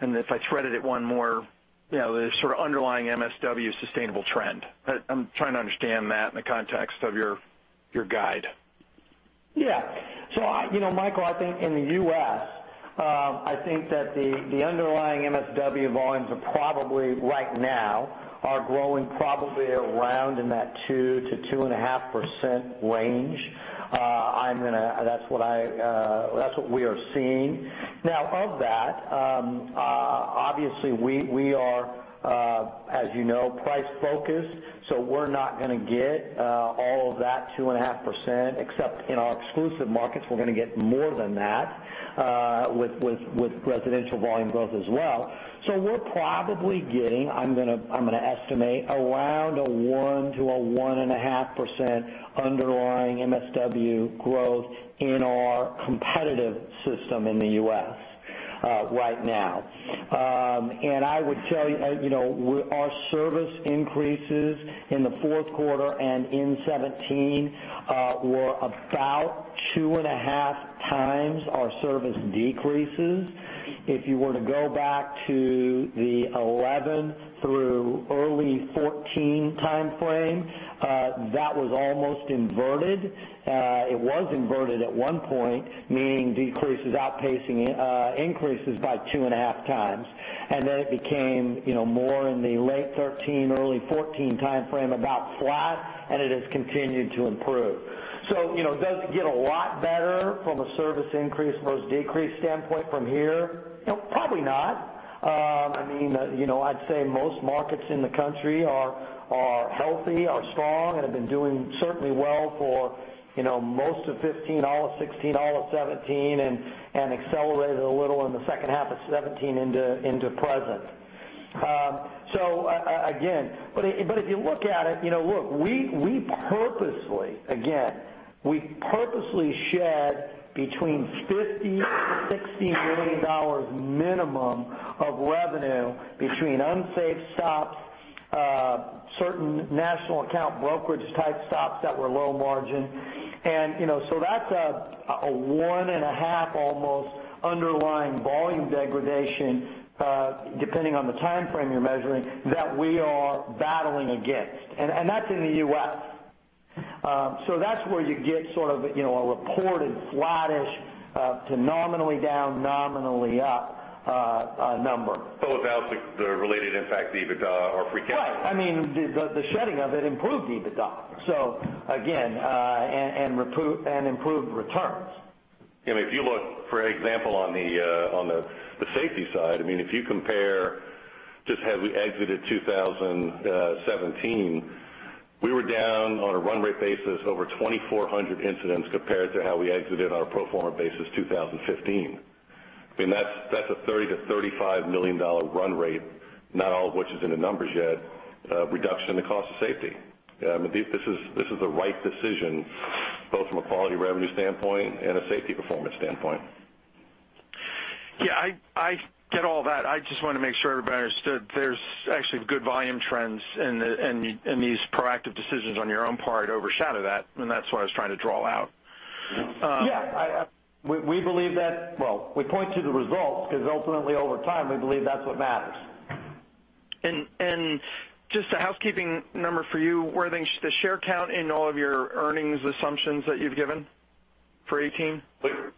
S7: If I threaded it one more, the sort of underlying MSW sustainable trend. I'm trying to understand that in the context of your guide.
S2: Michael, I think in the U.S., I think that the underlying MSW volumes are probably right now are growing probably around in that 2%-2.5% range. That's what we are seeing. Now, of that, obviously we are, as you know, price-focused, so we're not going to get all of that 2.5%, except in our exclusive markets, we're going to get more than that, with residential volume growth as well. We're probably getting, I'm going to estimate, around a 1%-1.5% underlying MSW growth in our competitive system in the U.S. right now. I would tell you, our service increases in the fourth quarter and in 2017 were about 2.5 times our service decreases. If you were to go back to the 2011 through early 2014 timeframe, that was almost inverted. It was inverted at one point, meaning decreases outpacing increases by 2.5 times. Then it became more in the late 2013, early 2014 timeframe about flat, and it has continued to improve. Does it get a lot better from a service increase, lows decrease standpoint from here? Probably not. I'd say most markets in the country are healthy, are strong, and have been doing certainly well for most of 2015, all of 2016, all of 2017, and accelerated a little in the second half of 2017 into present. Again, if you look at it, look, we purposely, again, we purposely shed between 50 million to 60 million dollars minimum of revenue between unsafe stops, certain national account brokerage-type stops that were low margin. That's a 1.5 almost underlying volume degradation, depending on the timeframe you're measuring, that we are battling against. That's in the U.S. That's where you get sort of a reported flattish to nominally down, nominally up number.
S3: Without the related impact to EBITDA or free cash flow.
S2: The shedding of it improved EBITDA. Again, and improved returns.
S3: If you look, for example, on the safety side, if you compare just as we exited 2017, we were down on a run rate basis over 2,400 incidents compared to how we exited on a pro forma basis 2015. That's a 30 million-35 million dollar run rate, not all of which is in the numbers yet, reduction in the cost of safety. This is the right decision, both from a quality revenue standpoint and a safety performance standpoint.
S7: I get all that. I just want to make sure everybody understood there's actually good volume trends, and these proactive decisions on your own part overshadow that, and that's what I was trying to draw out.
S3: Yeah. We point to the results because ultimately, over time, we believe that's what matters.
S7: Just a housekeeping number for you, Worthing, the share count in all of your earnings assumptions that you've given for 2018?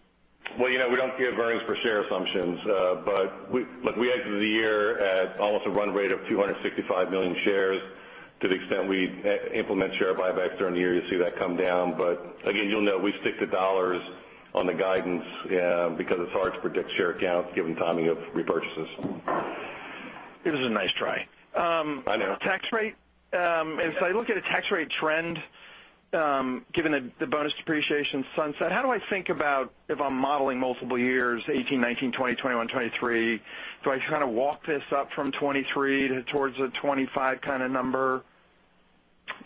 S3: Well, we don't give earnings per share assumptions. Look, we exited the year at almost a run rate of 265 million shares. To the extent we implement share buybacks during the year, you'll see that come down. Again, you'll know we stick to dollars on the guidance, because it's hard to predict share counts given timing of repurchases.
S7: It was a nice try.
S3: I know.
S7: Tax rate. As I look at a tax rate trend, given the bonus depreciation sunset, how do I think about if I'm modeling multiple years 2018, 2019, 2020, 2021, 2023? Do I try to walk this up from 2023 towards a 2025 kind of number?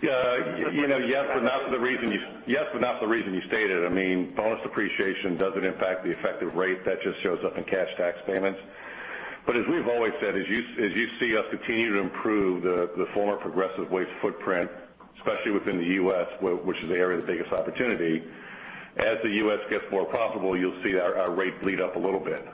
S3: Yes, but not for the reason you stated. Bonus depreciation doesn't impact the effective rate. That just shows up in cash tax payments. As we've always said, as you see us continue to improve the former Progressive Waste footprint, especially within the U.S., which is the area of the biggest opportunity, as the U.S. gets more profitable, you'll see our rate bleed up a little bit.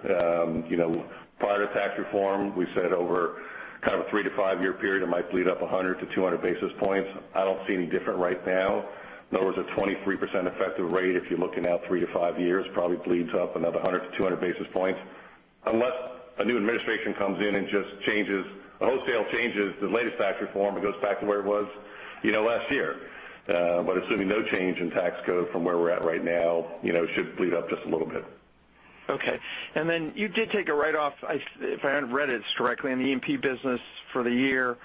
S3: Prior to tax reform, we said over a 3 to 5-year period, it might bleed up 100-200 basis points. I don't see any different right now. In other words, a 23% effective rate, if you're looking out 3 to 5 years, probably bleeds up another 100-200 basis points. Unless a new administration comes in and just wholesale changes the latest tax reform and goes back to where it was last year. Assuming no change in tax code from where we're at right now, it should bleed up just a little bit.
S7: Okay. You did take a write-off, if I read it correctly, in the E&P business for the year.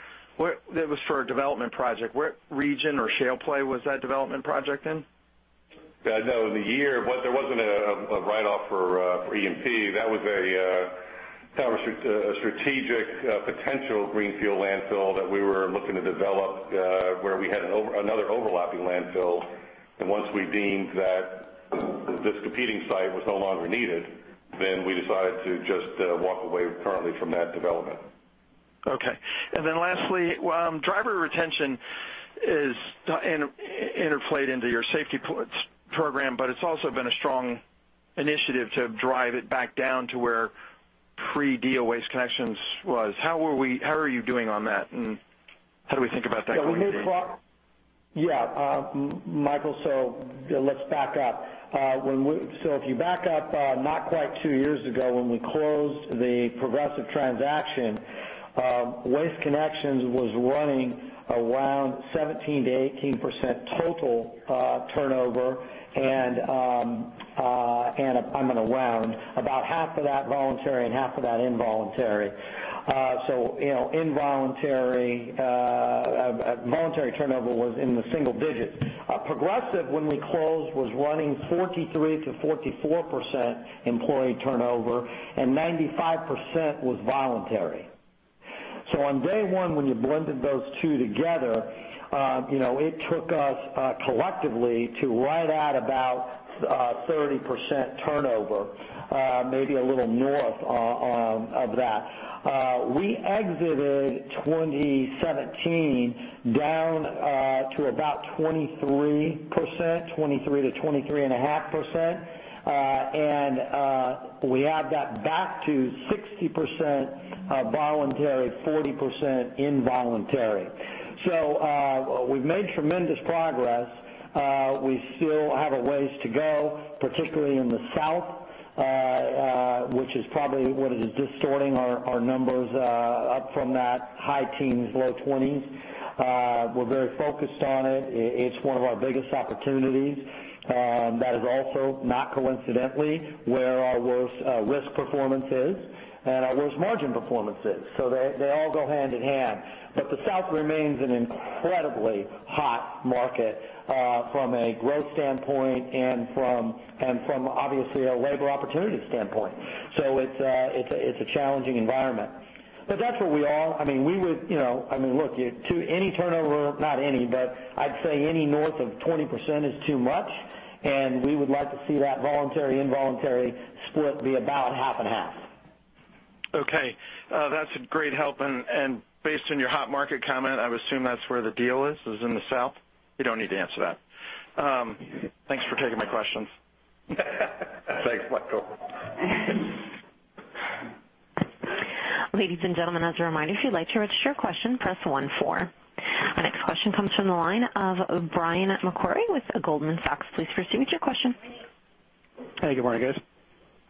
S7: That was for a development project. What region or shale play was that development project in?
S3: No, in the year, there wasn't a write-off for E&P. That was a strategic potential greenfield landfill that we were looking to develop, where we had another overlapping landfill. Once we deemed that this competing site was no longer needed, we decided to just walk away currently from that development.
S7: Okay. Lastly, driver retention is interplayed into your safety program, but it's also been a strong initiative to drive it back down to where pre-deal Waste Connections was. How are you doing on that, and how do we think about that going forward?
S2: Yeah. Michael, let's back up. If you back up not quite two years ago, when we closed the Progressive transaction, Waste Connections was running around 17%-18% total turnover and, I'm going to round, about half of that voluntary and half of that involuntary. So involuntary. Voluntary turnover was in the single digits. Progressive, when we closed, was running 43%-44% employee turnover, and 95% was voluntary. On day one, when you blended those two together, it took us collectively to right at about 30% turnover, maybe a little north of that. We exited 2017 down to about 23%-23.5%, and we had that back to 60% voluntary, 40% involuntary. We've made tremendous progress. We still have a ways to go, particularly in the South, which is probably what is distorting our numbers up from that high teens, low 20s. We're very focused on it. It's one of our biggest opportunities. That is also, not coincidentally, where our worst risk performance is and our worst margin performance is. They all go hand in hand. The South remains an incredibly hot market from a growth standpoint and from, obviously, a labor opportunity standpoint. It's a challenging environment. That's what we all Look, any turnover, not any, but I'd say any north of 20% is too much, and we would like to see that voluntary, involuntary split be about half and half.
S7: Okay. That's a great help, Based on your hot market comment, I would assume that's where the deal is in the South? You don't need to answer that. Thanks for taking my questions.
S3: Thanks, Michael.
S1: Ladies and gentlemen, as a reminder, if you'd like to register your question, press one, four. Our next question comes from the line of Brian Maguire with Goldman Sachs. Please proceed with your question.
S8: Hey, good morning, guys.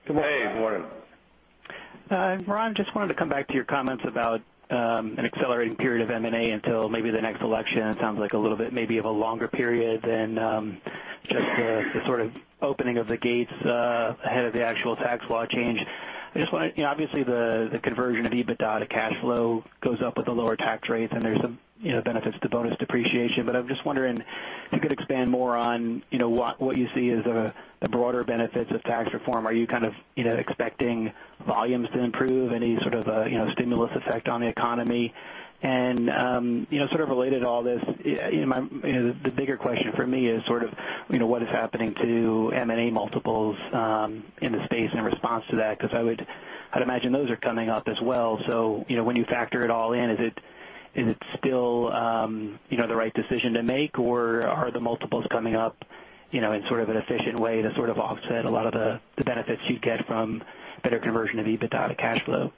S3: Good morning.
S8: Hi, Ron, just wanted to come back to your comments about an accelerating period of M&A until maybe the next election. It sounds like a little bit, maybe of a longer period than just the opening of the gates ahead of the actual tax law change. Obviously, the conversion of EBITDA to cash flow goes up with the lower tax rates, and there's some benefits to bonus depreciation. I'm just wondering if you could expand more on what you see as the broader benefits of tax reform. Are you expecting volumes to improve? Any sort of a stimulus effect on the economy? Sort of related to all this, the bigger question for me is: What is happening to M&A multiples in the space in response to that? Because I'd imagine those are coming up as well. When you factor it all in, is it still the right decision to make, or are the multiples coming up in an efficient way to sort of offset a lot of the benefits you get from better conversion of EBITDA to cash flow?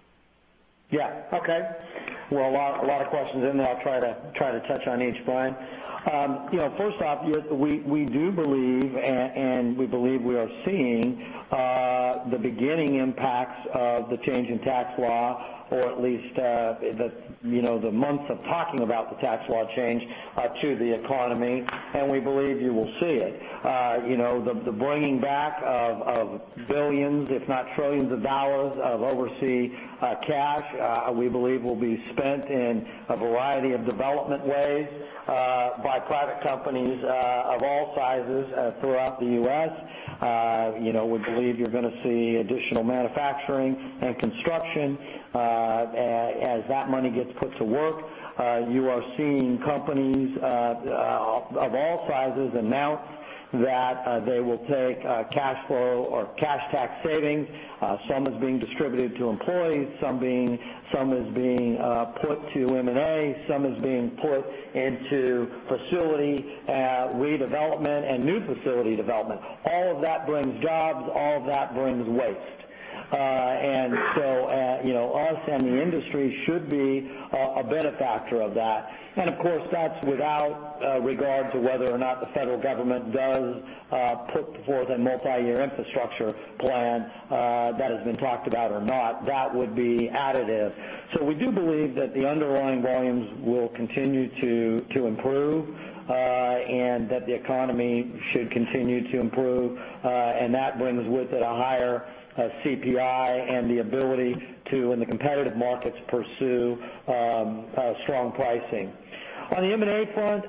S2: Okay. Well, a lot of questions in there. I will try to touch on each, Brian. First off, we do believe, and we believe we are seeing, the beginning impacts of the change in Tax law, or at least the months of talking about the Tax law change to the economy. We believe you will see it. The bringing back of billions, if not trillions, of dollars of overseas cash, we believe will be spent in a variety of development ways by private companies of all sizes throughout the U.S. We believe you are going to see additional manufacturing and construction as that money gets put to work. You are seeing companies of all sizes announce that they will take cash flow or cash tax savings. Some is being distributed to employees, some is being put to M&A, some is being put into facility redevelopment and new facility development. All of that brings jobs. All of that brings waste. Us and the industry should be a benefactor of that. Of course, that is without regard to whether or not the federal government does put forth a multi-year infrastructure plan that has been talked about or not. That would be additive. We do believe that the underlying volumes will continue to improve, and that the economy should continue to improve. That brings with it a higher CPI and the ability to, in the competitive markets, pursue strong pricing. On the M&A front,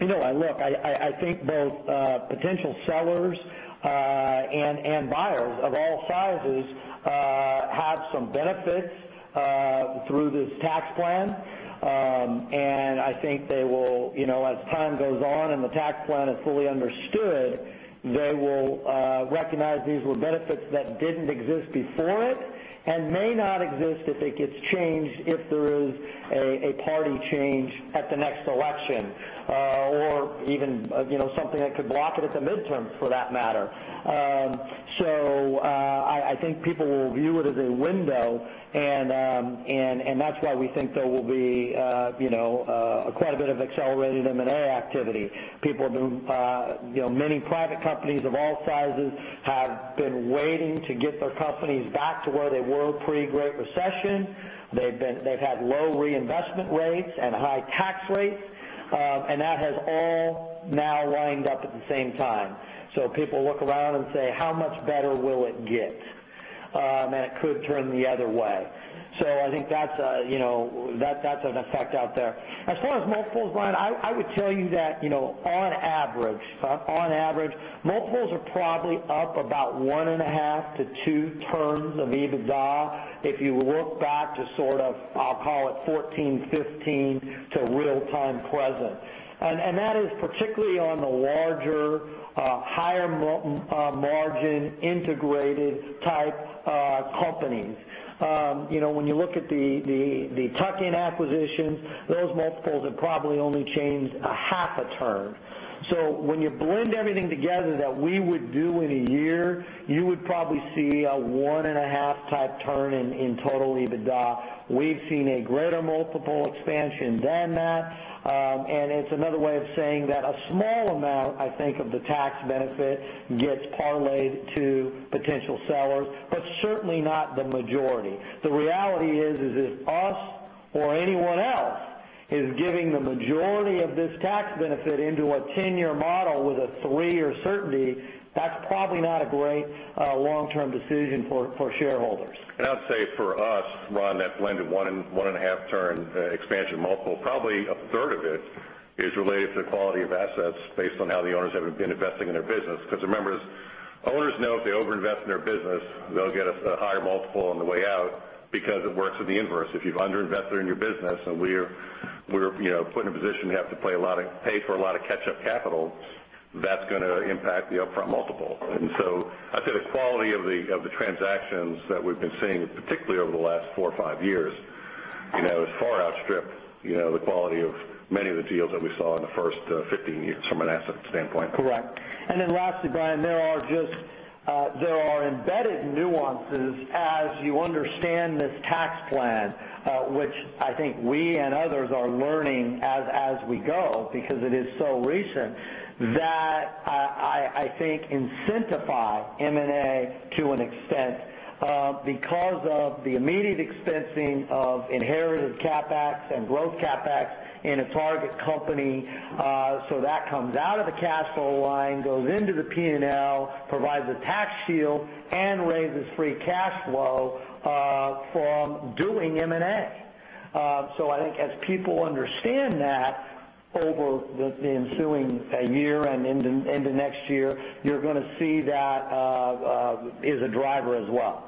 S2: look, I think both potential sellers and buyers of all sizes have some benefits through this Tax plan. I think as time goes on and the Tax plan is fully understood, they will recognize these were benefits that did not exist before it and may not exist if it gets changed, if there is a party change at the next election or even something that could block it at the midterm, for that matter. I think people will view it as a window, and that is why we think there will be quite a bit of accelerated M&A activity. Many private companies of all sizes have been waiting to get their companies back to where they were pre-Great Recession. They have had low reinvestment rates and high tax rates. That has all now lined up at the same time. People look around and say, "How much better will it get?" It could turn the other way. I think that is an effect out there. As far as multiples, Brian, I would tell you that on average, multiples are probably up about 1.5 to 2 turns of EBITDA if you look back to sort of, I will call it 2014, 2015, to real time present. That is particularly on the larger, higher margin, integrated type companies. When you look at the tuck-in acquisitions, those multiples have probably only changed a 0.5 a turn. When you blend everything together that we would do in a year, you would probably see a 1.5 type turn in total EBITDA. We have seen a greater multiple expansion than that. It is another way of saying that a small amount, I think, of the Tax benefit gets parlayed to potential sellers, but certainly not the majority. The reality is if us or anyone else is giving the majority of this tax benefit into a 10-year model with a three-year certainty, that's probably not a great long-term decision for shareholders.
S3: I would say for us, Ron, that blended one and a half turn expansion multiple, probably a third of it is related to quality of assets based on how the owners have been investing in their business. Remember, owners know if they over-invest in their business, they'll get a higher multiple on the way out because it works with the inverse. If you've under-invested in your business and we're put in a position we have to pay for a lot of catch-up capital, that's going to impact the upfront multiple. I'd say the quality of the transactions that we've been seeing, particularly over the last four or five years has far outstripped the quality of many of the deals that we saw in the first 15 years from an asset standpoint.
S2: Correct. Lastly, Brian, there are embedded nuances as you understand this tax plan, which I think we and others are learning as we go, because it is so recent, that I think incentivize M&A to an extent because of the immediate expensing of inherited CapEx and growth CapEx in a target company. That comes out of the cash flow line, goes into the P&L, provides a tax shield, and raises free cash flow from doing M&A. I think as people understand that over the ensuing year and into next year, you're going to see that as a driver as well.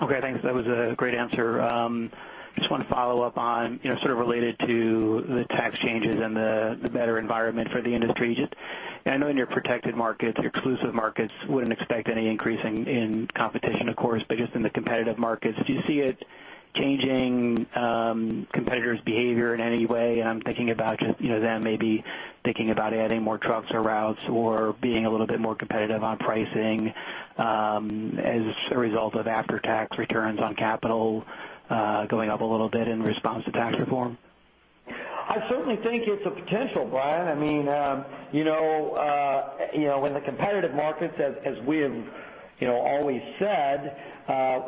S8: Okay, thanks. That was a great answer. I just want to follow up on, sort of related to the tax changes and the better environment for the industry. I know in your protected markets, your exclusive markets wouldn't expect any increase in competition, of course. Just in the competitive markets, do you see it changing competitors' behavior in any way? I'm thinking about just them maybe thinking about adding more trucks or routes or being a little bit more competitive on pricing, as a result of after-tax returns on capital going up a little bit in response to tax reform.
S2: I certainly think it's a potential, Brian. In the competitive markets, as we have always said,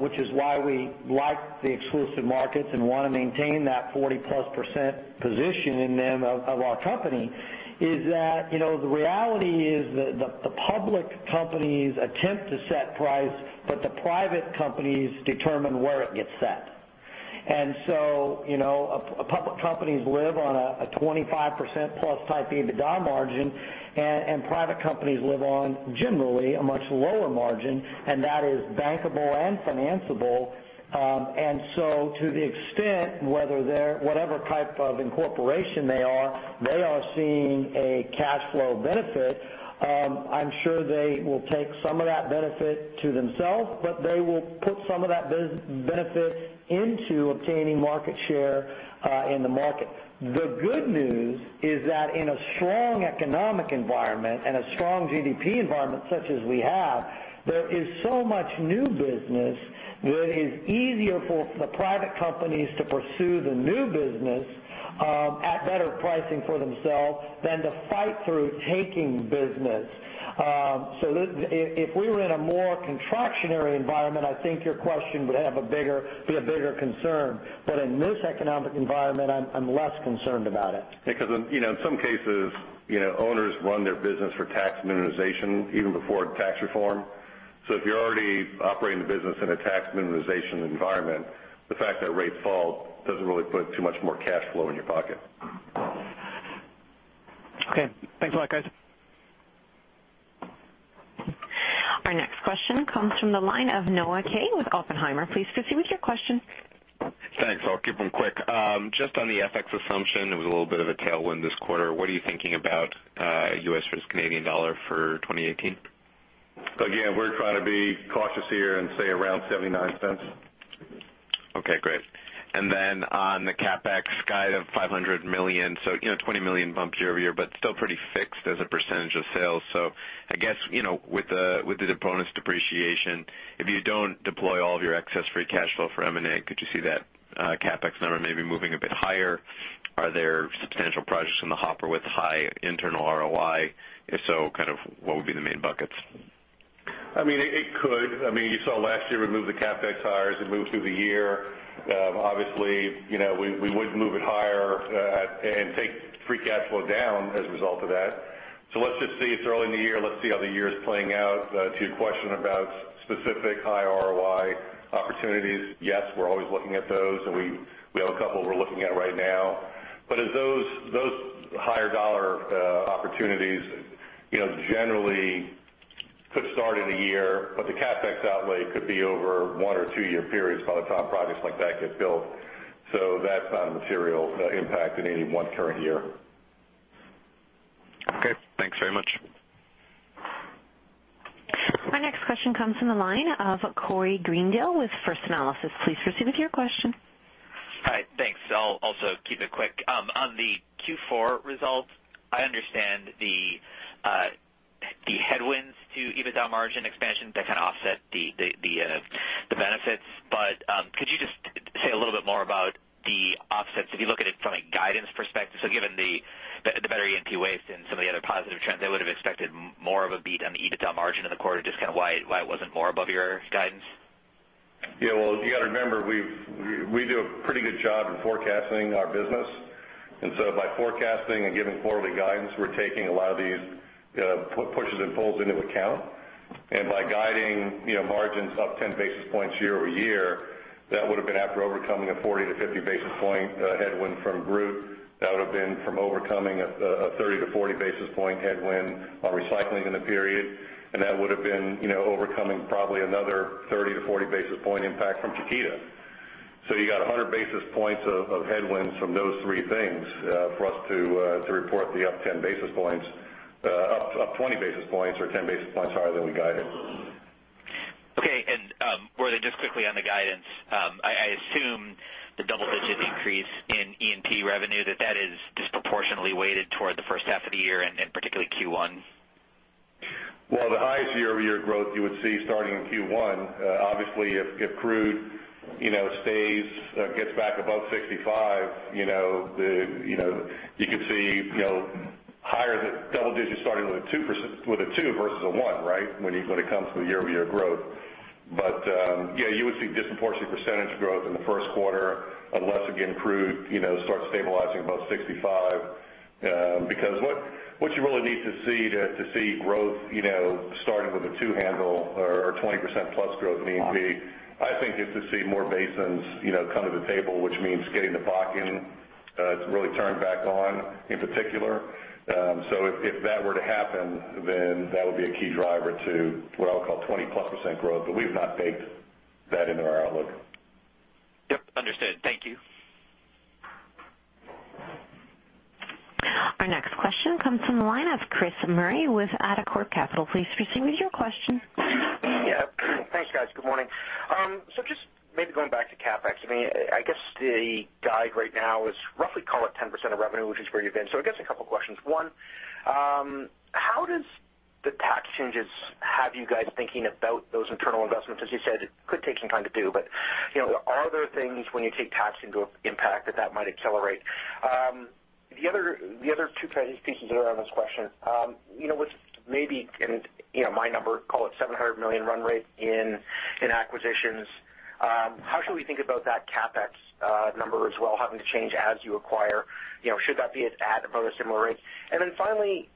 S2: which is why we like the exclusive markets and want to maintain that 40-plus % position in them of our company, is that the reality is that the public companies attempt to set price, but the private companies determine where it gets set. Public companies live on a 25%-plus type EBITDA margin, and private companies live on generally a much lower margin, and that is bankable and financeable. To the extent, whatever type of incorporation they are, they are seeing a cash flow benefit. I'm sure they will take some of that benefit to themselves, but they will put some of that benefit into obtaining market share in the market. The good news is that in a strong economic environment and a strong GDP environment such as we have, there is so much new business that is easier for the private companies to pursue the new business at better pricing for themselves than to fight through taking business. If we were in a more contractionary environment, I think your question would be a bigger concern. In this economic environment, I'm less concerned about it.
S3: In some cases, owners run their business for tax minimization even before tax reform. If you're already operating the business in a tax minimization environment, the fact that rates fall doesn't really put too much more cash flow in your pocket.
S8: Okay. Thanks a lot, guys.
S1: Our next question comes from the line of Noah Kaye with Oppenheimer. Please proceed with your question.
S9: Thanks. I'll keep them quick. Just on the FX assumption, it was a little bit of a tailwind this quarter. What are you thinking about U.S. versus Canadian dollar for 2018?
S3: We're trying to be cautious here and say around $0.79.
S9: Okay, great. On the CapEx guide of $500 million, $20 million bumps year-over-year, but still pretty fixed as a percentage of sales. I guess, with the bonus depreciation, if you don't deploy all of your excess free cash flow for M&A, could you see that CapEx number maybe moving a bit higher? Are there substantial projects in the hopper with high internal ROI? If so, what would be the main buckets?
S3: It could. You saw last year we moved the CapEx higher as we moved through the year. Obviously, we would move it higher, and take free cash flow down as a result of that. Let's just see. It's early in the year. Let's see how the year is playing out. To your question about specific high ROI opportunities, yes, we're always looking at those, and we have a couple we're looking at right now. Those higher dollar opportunities generally could start in a year, but the CapEx outlay could be over one- or two-year periods by the time projects like that get built. That's not a material impact in any one current year.
S9: Okay. Thanks very much.
S1: Our next question comes from the line of Corey Greendale with First Analysis. Please proceed with your question.
S10: Hi, thanks. I'll also keep it quick. On the Q4 results, I understand the headwinds to EBITDA margin expansion that kind of offset the benefits. Could you just say a little bit more about the offsets if you look at it from a guidance perspective? Given the better E&P waste and some of the other positive trends, I would've expected more of a beat on the EBITDA margin in the quarter. Just why it wasn't more above your guidance?
S3: Well, you got to remember, we do a pretty good job in forecasting our business. By forecasting and giving quarterly guidance, we're taking a lot of these pushes and pulls into account. By guiding margins up 10 basis points year-over-year, that would have been after overcoming a 40 to 50 basis point headwind from Groot. That would have been from overcoming a 30 to 40 basis point headwind on recycling in the period. That would have been overcoming probably another 30 to 40 basis point impact from Chiquita. You got 100 basis points of headwinds from those three things for us to report the up 10 basis points. Up 20 basis points or 10 basis points higher than we guided.
S10: Worthing, just quickly on the guidance. I assume the double-digit increase in E&P revenue, that is disproportionately weighted toward the first half of the year, and particularly Q1?
S3: The highest year-over-year growth you would see starting in Q1. Obviously, if crude gets back above 65, you could see higher than double digits starting with a two versus a one, right? When it comes to year-over-year growth. Yeah, you would see disproportionate percentage growth in the first quarter, unless, again, crude starts stabilizing above 65. What you really need to see to see growth starting with a two handle or 20%+ growth in E&P, I think is to see more basins come to the table, which means getting the Bakken to really turn back on in particular. If that were to happen, that would be a key driver to what I would call 20%+ growth. We've not baked that into our outlook.
S10: Yep. Understood. Thank you.
S1: Our next question comes from the line of Chris Murray with AltaCorp Capital. Please proceed with your question.
S11: Yeah. Thanks, guys. Good morning. Just maybe going back to CapEx, I guess the guide right now is roughly, call it 10% of revenue, which is where you've been. I guess a couple questions. One, how does the tax changes have you guys thinking about those internal investments? As you said, it could take some time to do, but are there things when you take tax impact that might accelerate? The other two pieces around this question. With maybe, my number, call it 700 million run rate in acquisitions, how should we think about that CapEx number as well having to change as you acquire? Should that be at about a similar rate? Then finally,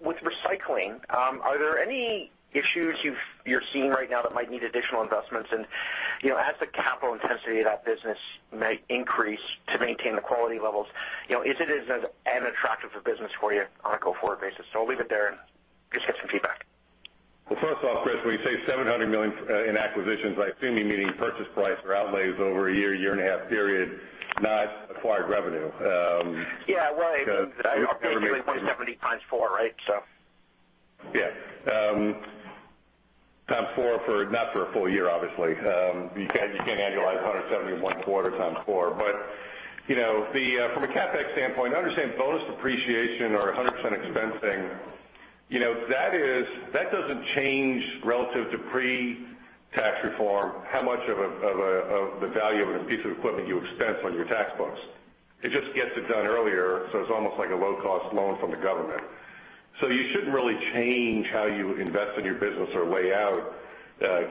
S11: with recycling, are there any issues you're seeing right now that might need additional investments? As the capital intensity of that business may increase to maintain the quality levels, is it as an attractive a business for you on a go-forward basis? I'll leave it there and just get some feedback.
S3: Well, first off, Chris, when you say 700 million in acquisitions, I assume you meaning purchase price or outlays over a year and a half period, not acquired revenue.
S11: Yeah. Well, I mean, basically 170 times four, right?
S3: Yeah. Times four, not for a full year, obviously. You can't annualize 170 in one quarter times four. From a CapEx standpoint, understand bonus depreciation or 100% expensing, that doesn't change relative to pre-tax reform how much of the value of a piece of equipment you expense on your tax books. It just gets it done earlier, so it's almost like a low-cost loan from the government. You shouldn't really change how you invest in your business or lay out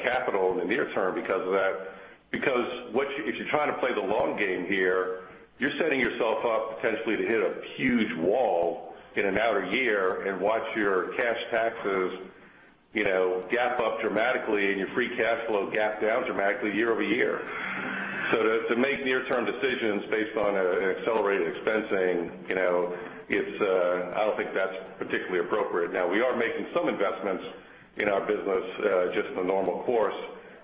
S3: capital in the near term because of that. If you're trying to play the long game here, you're setting yourself up potentially to hit a huge wall in an outer year and watch your cash taxes gap up dramatically and your free cash flow gap down dramatically year-over-year. To make near-term decisions based on accelerated expensing, I don't think that's particularly appropriate. We are making some investments in our business just in the normal course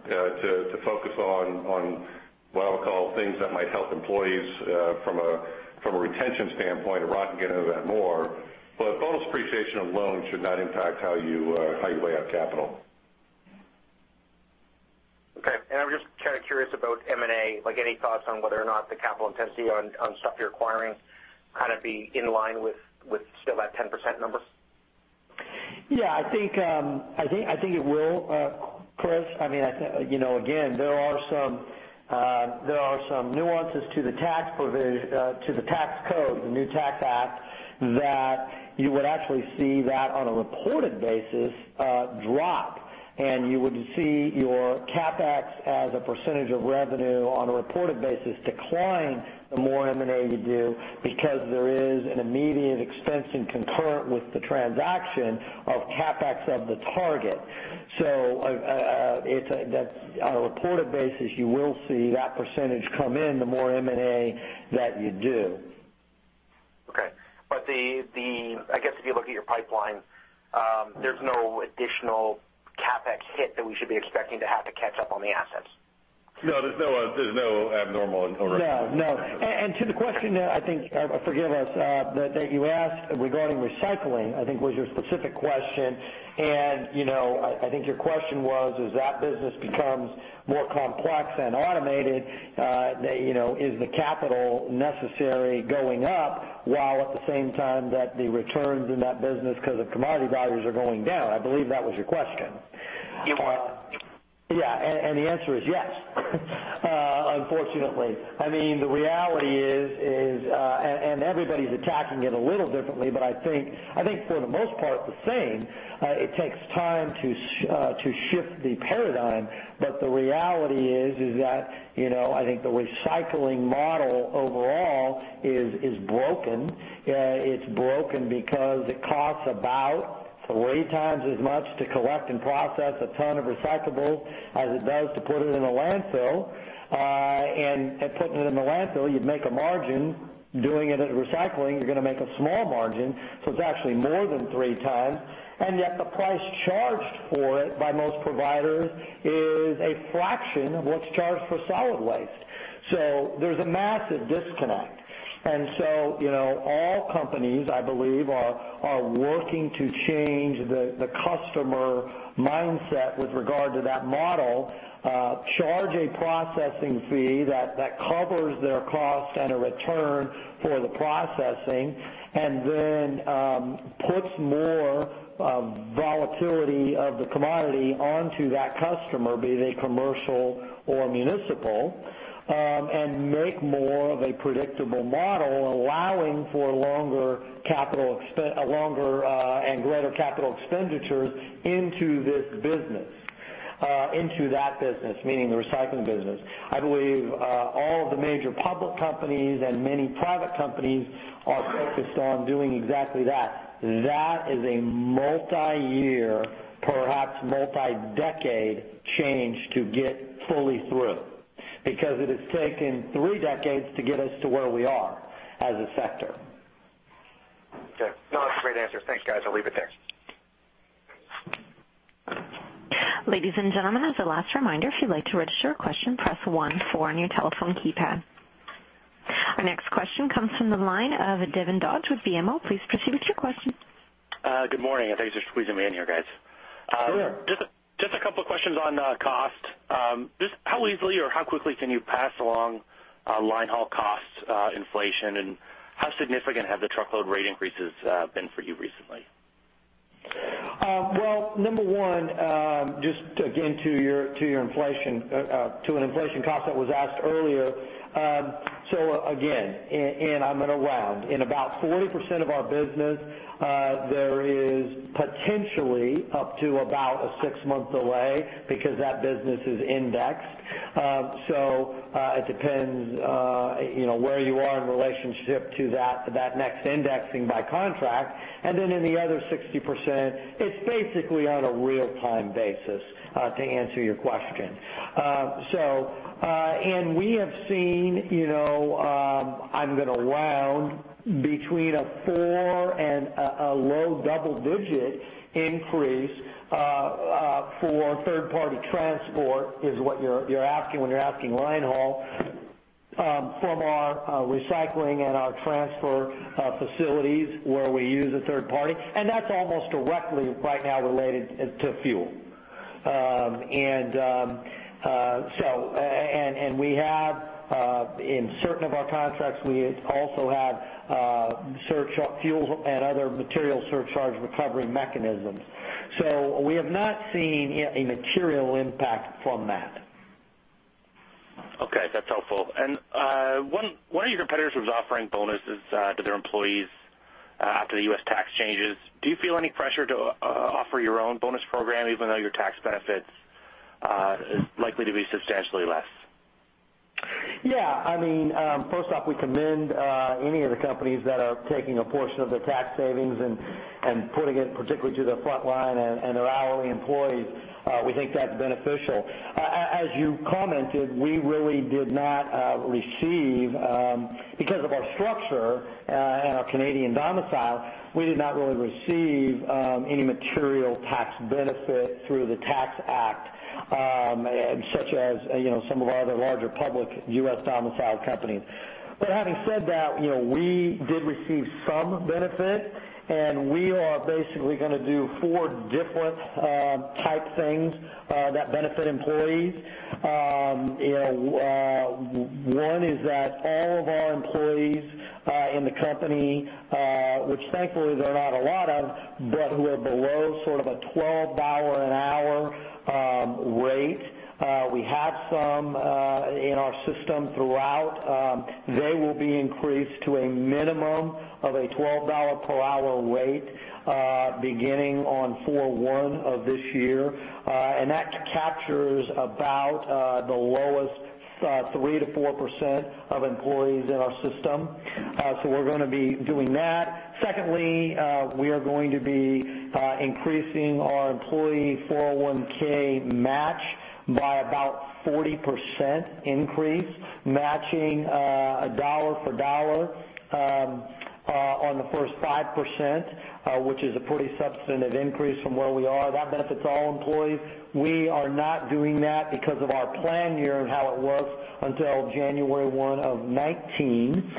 S3: to focus on what I'll call things that might help employees from a retention standpoint, and Ron can get into that more. Bonus depreciation of loans should not impact how you weigh out capital.
S11: Okay. I'm just kind of curious about M&A. Any thoughts on whether or not the capital intensity on stuff you're acquiring be in line with still that 10% number?
S2: Yeah, I think it will, Chris. Again, there are some nuances to the tax code, the new tax act, that you would actually see that on a reported basis drop, and you would see your CapEx as a percentage of revenue on a reported basis decline the more M&A you do, because there is an immediate expense concurrent with the transaction of CapEx of the target. On a reported basis, you will see that percentage come in the more M&A that you do.
S11: Okay. I guess if you look at your pipeline, there's no additional CapEx hit that we should be expecting to have to catch up on the assets?
S3: No, there's no abnormal.
S2: No. To the question that I think, forgive us, that you asked regarding recycling, I think was your specific question. I think your question was, as that business becomes more complex and automated, is the capital necessary going up while at the same time that the returns in that business because of commodity values are going down? I believe that was your question.
S11: You are.
S2: The answer is yes, unfortunately. The reality is, and everybody's attacking it a little differently, but I think for the most part the same, it takes time to shift the paradigm. The reality is that I think the recycling model overall is broken. It's broken because it costs about three times as much to collect and process a ton of recyclable as it does to put it in a landfill. Putting it in the landfill, you'd make a margin. Doing it as recycling, you're going to make a small margin, so it's actually more than three times. Yet the price charged for it by most providers is a fraction of what's charged for solid waste. There's a massive disconnect. All companies, I believe, are working to change the customer mindset with regard to that model, charge a processing fee that covers their cost and a return for the processing, and then puts more volatility of the commodity onto that customer, be they commercial or municipal, and make more of a predictable model, allowing for longer and greater capital expenditures into this business, into that business, meaning the recycling business. I believe all of the major public companies and many private companies are focused on doing exactly that. That is a multi-year, perhaps multi-decade, change to get fully through. Because it has taken three decades to get us to where we are as a sector.
S11: Okay. No, that's a great answer. Thanks, guys. I'll leave it there.
S1: Ladies and gentlemen, as a last reminder, if you'd like to register a question, press 1 4 on your telephone keypad. Our next question comes from the line of Devin Dodge with BMO. Please proceed with your question.
S12: Good morning, thanks for squeezing me in here, guys.
S2: Sure.
S12: Just a couple questions on cost. Just how easily or how quickly can you pass along line haul cost inflation, and how significant have the truckload rate increases been for you recently?
S2: Well, number 1, just again to an inflation cost that was asked earlier. Again, I'm going to round. In about 40% of our business, there is potentially up to about a six-month delay because that business is indexed. It depends where you are in relationship to that next indexing by contract. Then in the other 60%, it's basically on a real-time basis, to answer your question. We have seen, I'm going to round, between a four and a low double-digit increase for third-party transport is what you're asking when you're asking line haul from our recycling and our transfer facilities where we use a third party, that's almost directly right now related to fuel. In certain of our contracts, we also have fuel and other material surcharge recovery mechanisms. We have not seen a material impact from that.
S12: Okay, that's helpful. One of your competitors was offering bonuses to their employees after the U.S. tax changes. Do you feel any pressure to offer your own bonus program even though your tax benefit is likely to be substantially less?
S2: First off, we commend any of the companies that are taking a portion of their tax savings and putting it particularly to their frontline and their hourly employees. We think that's beneficial. As you commented, because of our structure and our Canadian domicile, we did not really receive any material tax benefit through the Tax Act, such as some of our other larger public U.S. domiciled companies. Having said that, we did receive some benefit, and we are basically going to do four different type 4 things that benefit employees. One is that all of our employees in the company, which thankfully there are not a lot of, but who are below sort of a CAD 12 an hour rate, we have some in our system throughout, they will be increased to a minimum of a 12 dollar per hour rate beginning on 4/1 of this year. That captures about the lowest 3%-4% of employees in our system. We're going to be doing that. Secondly, we are going to be increasing our employee 401 match by about 40% increase, matching dollar for dollar on the first 5%, which is a pretty substantive increase from where we are. That benefits all employees. We are not doing that because of our plan year and how it was until January 1 of 2019.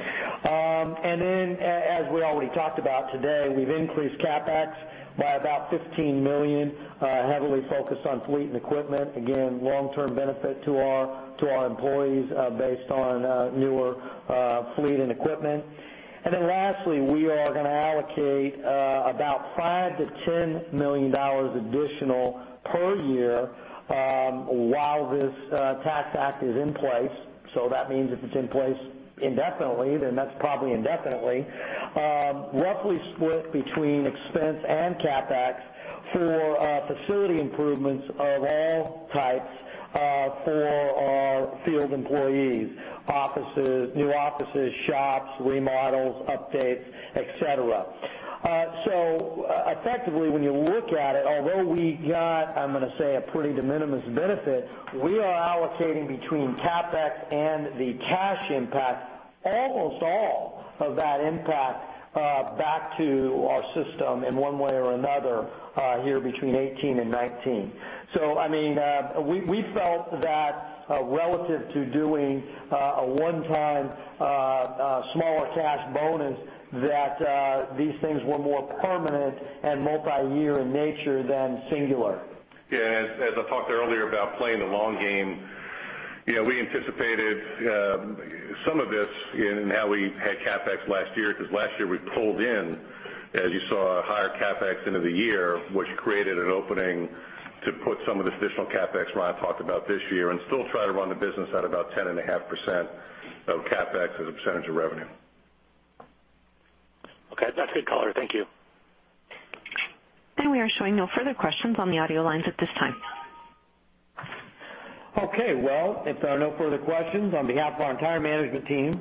S2: As we already talked about today, we've increased CapEx by about 15 million, heavily focused on fleet and equipment. Again, long-term benefit to our employees based on newer fleet and equipment. Lastly, we are going to allocate about 5 million-10 million dollars additional per year while this Tax Act is in place. That means if it's in place indefinitely, then that's probably indefinitely. Roughly split between expense and CapEx for facility improvements of all types for our field employees, new offices, shops, remodels, updates, et cetera. Effectively, when you look at it, although we got, I'm going to say, a pretty de minimis benefit, we are allocating between CapEx and the cash impact, almost all of that impact back to our system in one way or another here between 2018 and 2019. We felt that relative to doing a one-time smaller cash bonus, that these things were more permanent and multi-year in nature than singular.
S3: Yeah, as I talked earlier about playing the long game, we anticipated some of this in how we had CapEx last year because last year we pulled in, as you saw, a higher CapEx end of the year, which created an opening to put some of this additional CapEx Ron talked about this year and still try to run the business at about 10.5% of CapEx as a percentage of revenue.
S12: Okay. That's a good color. Thank you.
S1: We are showing no further questions on the audio lines at this time.
S2: Okay. Well, if there are no further questions, on behalf of our entire management team,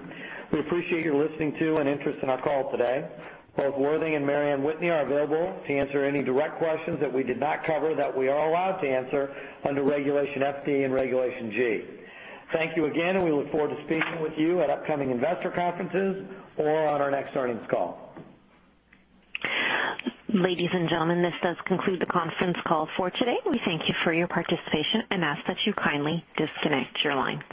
S2: we appreciate your listening to and interest in our call today. Both Worthing and Mary Anne Whitney are available to answer any direct questions that we did not cover that we are allowed to answer under Regulation FD and Regulation G. Thank you again, we look forward to speaking with you at upcoming investor conferences or on our next earnings call.
S1: Ladies and gentlemen, this does conclude the conference call for today. We thank you for your participation and ask that you kindly disconnect your line.